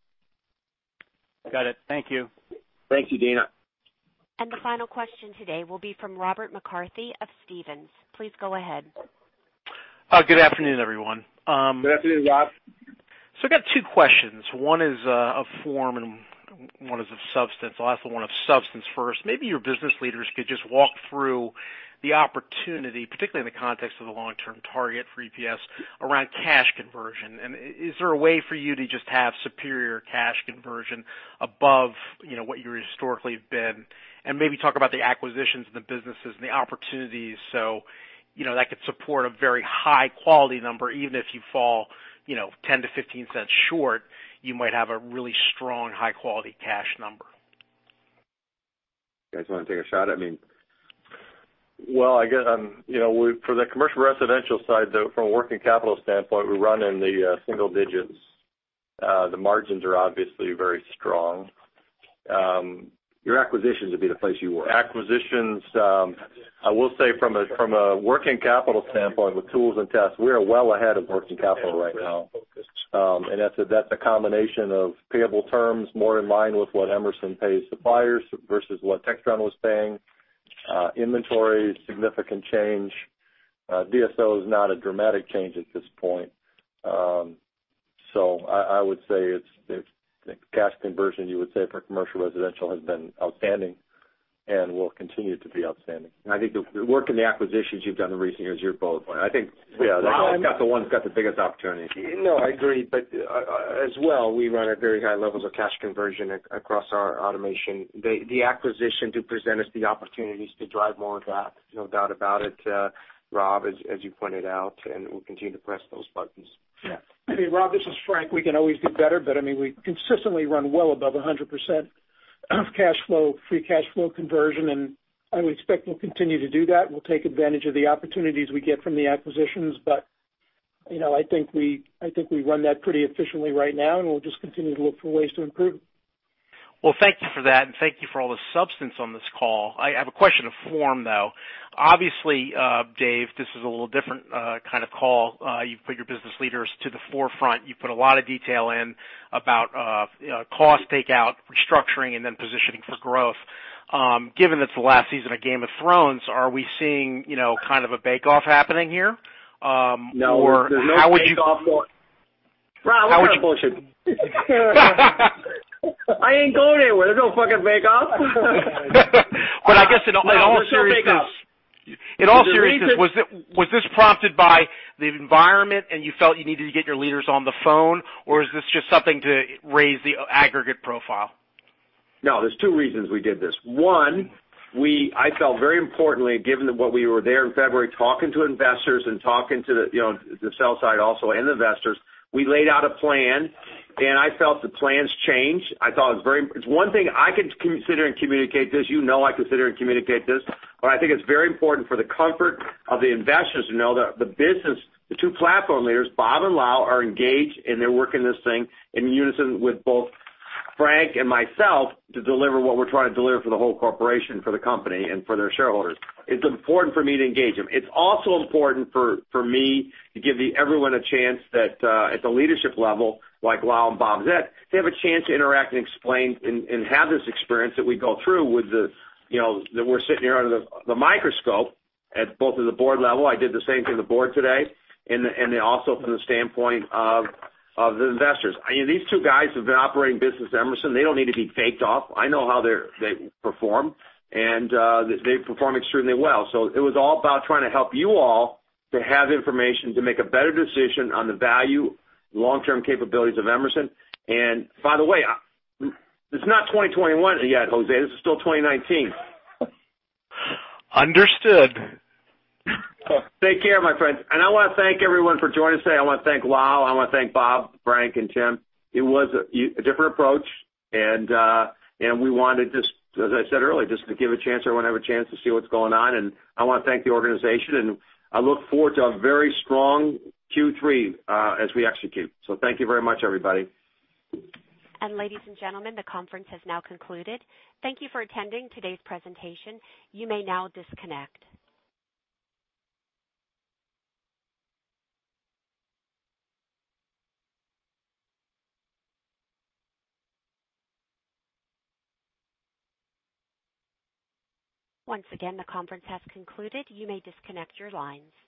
Got it. Thank you. Thank you, Deane. The final question today will be from Robert McCarthy of Stephens. Please go ahead. Good afternoon, everyone. Good afternoon, Rob. I got two questions. One is a form and one is of substance. I'll ask the one of substance first. Maybe your business leaders could just walk through the opportunity, particularly in the context of the long-term target for EPS, around cash conversion. Is there a way for you to just have superior cash conversion above what you historically have been? Maybe talk about the acquisitions and the businesses and the opportunities, so that could support a very high-quality number. Even if you fall $0.10-$0.15 short, you might have a really strong, high-quality cash number. You guys want to take a shot at me? Well, I guess, for the commercial residential side, though, from a working capital standpoint, we run in the single digits. The margins are obviously very strong. Your acquisitions would be the place you were. Acquisitions. I will say from a working capital standpoint, with Tools and Test, we are well ahead of working capital right now. That's a combination of payable terms more in line with what Emerson pays suppliers versus what Textron was paying. Inventory, significant change. DSO is not a dramatic change at this point. I would say the cash conversion, you would say, for Commercial & Residential Solutions has been outstanding and will continue to be outstanding. I think the work and the acquisitions you've done in recent years, you're both. I think Lal's got the biggest opportunity. No, I agree. As well, we run at very high levels of cash conversion across our automation. The acquisition do present us the opportunities to drive more of that, no doubt about it, Rob, as you pointed out, and we'll continue to press those buttons. Yeah. I mean, Rob, this is Frank. We can always do better, I mean, we consistently run well above 100% cash flow, free cash flow conversion, and I would expect we'll continue to do that. We'll take advantage of the opportunities we get from the acquisitions. I think we run that pretty efficiently right now, and we'll just continue to look for ways to improve. Well, thank you for that, thank you for all the substance on this call. I have a question of form, though. Obviously, Dave, this is a little different kind of call. You've put your business leaders to the forefront. You put a lot of detail in about cost takeout, restructuring, then positioning for growth. Given it's the last season of "Game of Thrones," are we seeing kind of a bake-off happening here? No. How would you- There's no bake-off. Rob, you're full of bullshit. I ain't going anywhere. There's no fucking bake-off. I guess in all seriousness. There's no bake-off. In all seriousness, was this prompted by the environment, and you felt you needed to get your leaders on the phone? Or is this just something to raise the aggregate profile? There's two reasons we did this. One, I felt very importantly, given that we were there in February talking to investors and talking to the sell side also, and investors, we laid out a plan, and I felt the plan's changed. It's one thing I can consider and communicate this. You know I consider and communicate this. I think it's very important for the comfort of the investors to know that the business, the two platform leaders, Bob and Lal, are engaged, and they're working this thing in unison with both Frank and myself to deliver what we're trying to deliver for the whole corporation, for the company, and for their shareholders. It's important for me to engage them. It's also important for me to give everyone a chance that at the leadership level, like Lal and Bob Sharp, they have a chance to interact and explain and have this experience that we go through. That we're sitting here under the microscope at both of the board level. I did the same thing to the board today, then also from the standpoint of the investors. These two guys have been operating business at Emerson. They don't need to be caked up. I know how they perform. They perform extremely well. It was all about trying to help you all to have information to make a better decision on the value, long-term capabilities of Emerson. By the way, it's not 2021 yet, Jose. This is still 2019. Understood. Take care, my friends. I want to thank everyone for joining us today. I want to thank Lal. I want to thank Bob, Frank, and Tim. It was a different approach, we wanted just, as I said earlier, just to give everyone a chance to see what's going on. I want to thank the organization, I look forward to a very strong Q3 as we execute. Thank you very much, everybody. Ladies and gentlemen, the conference has now concluded. Thank you for attending today's presentation. You may now disconnect. Once again, the conference has concluded. You may disconnect your lines.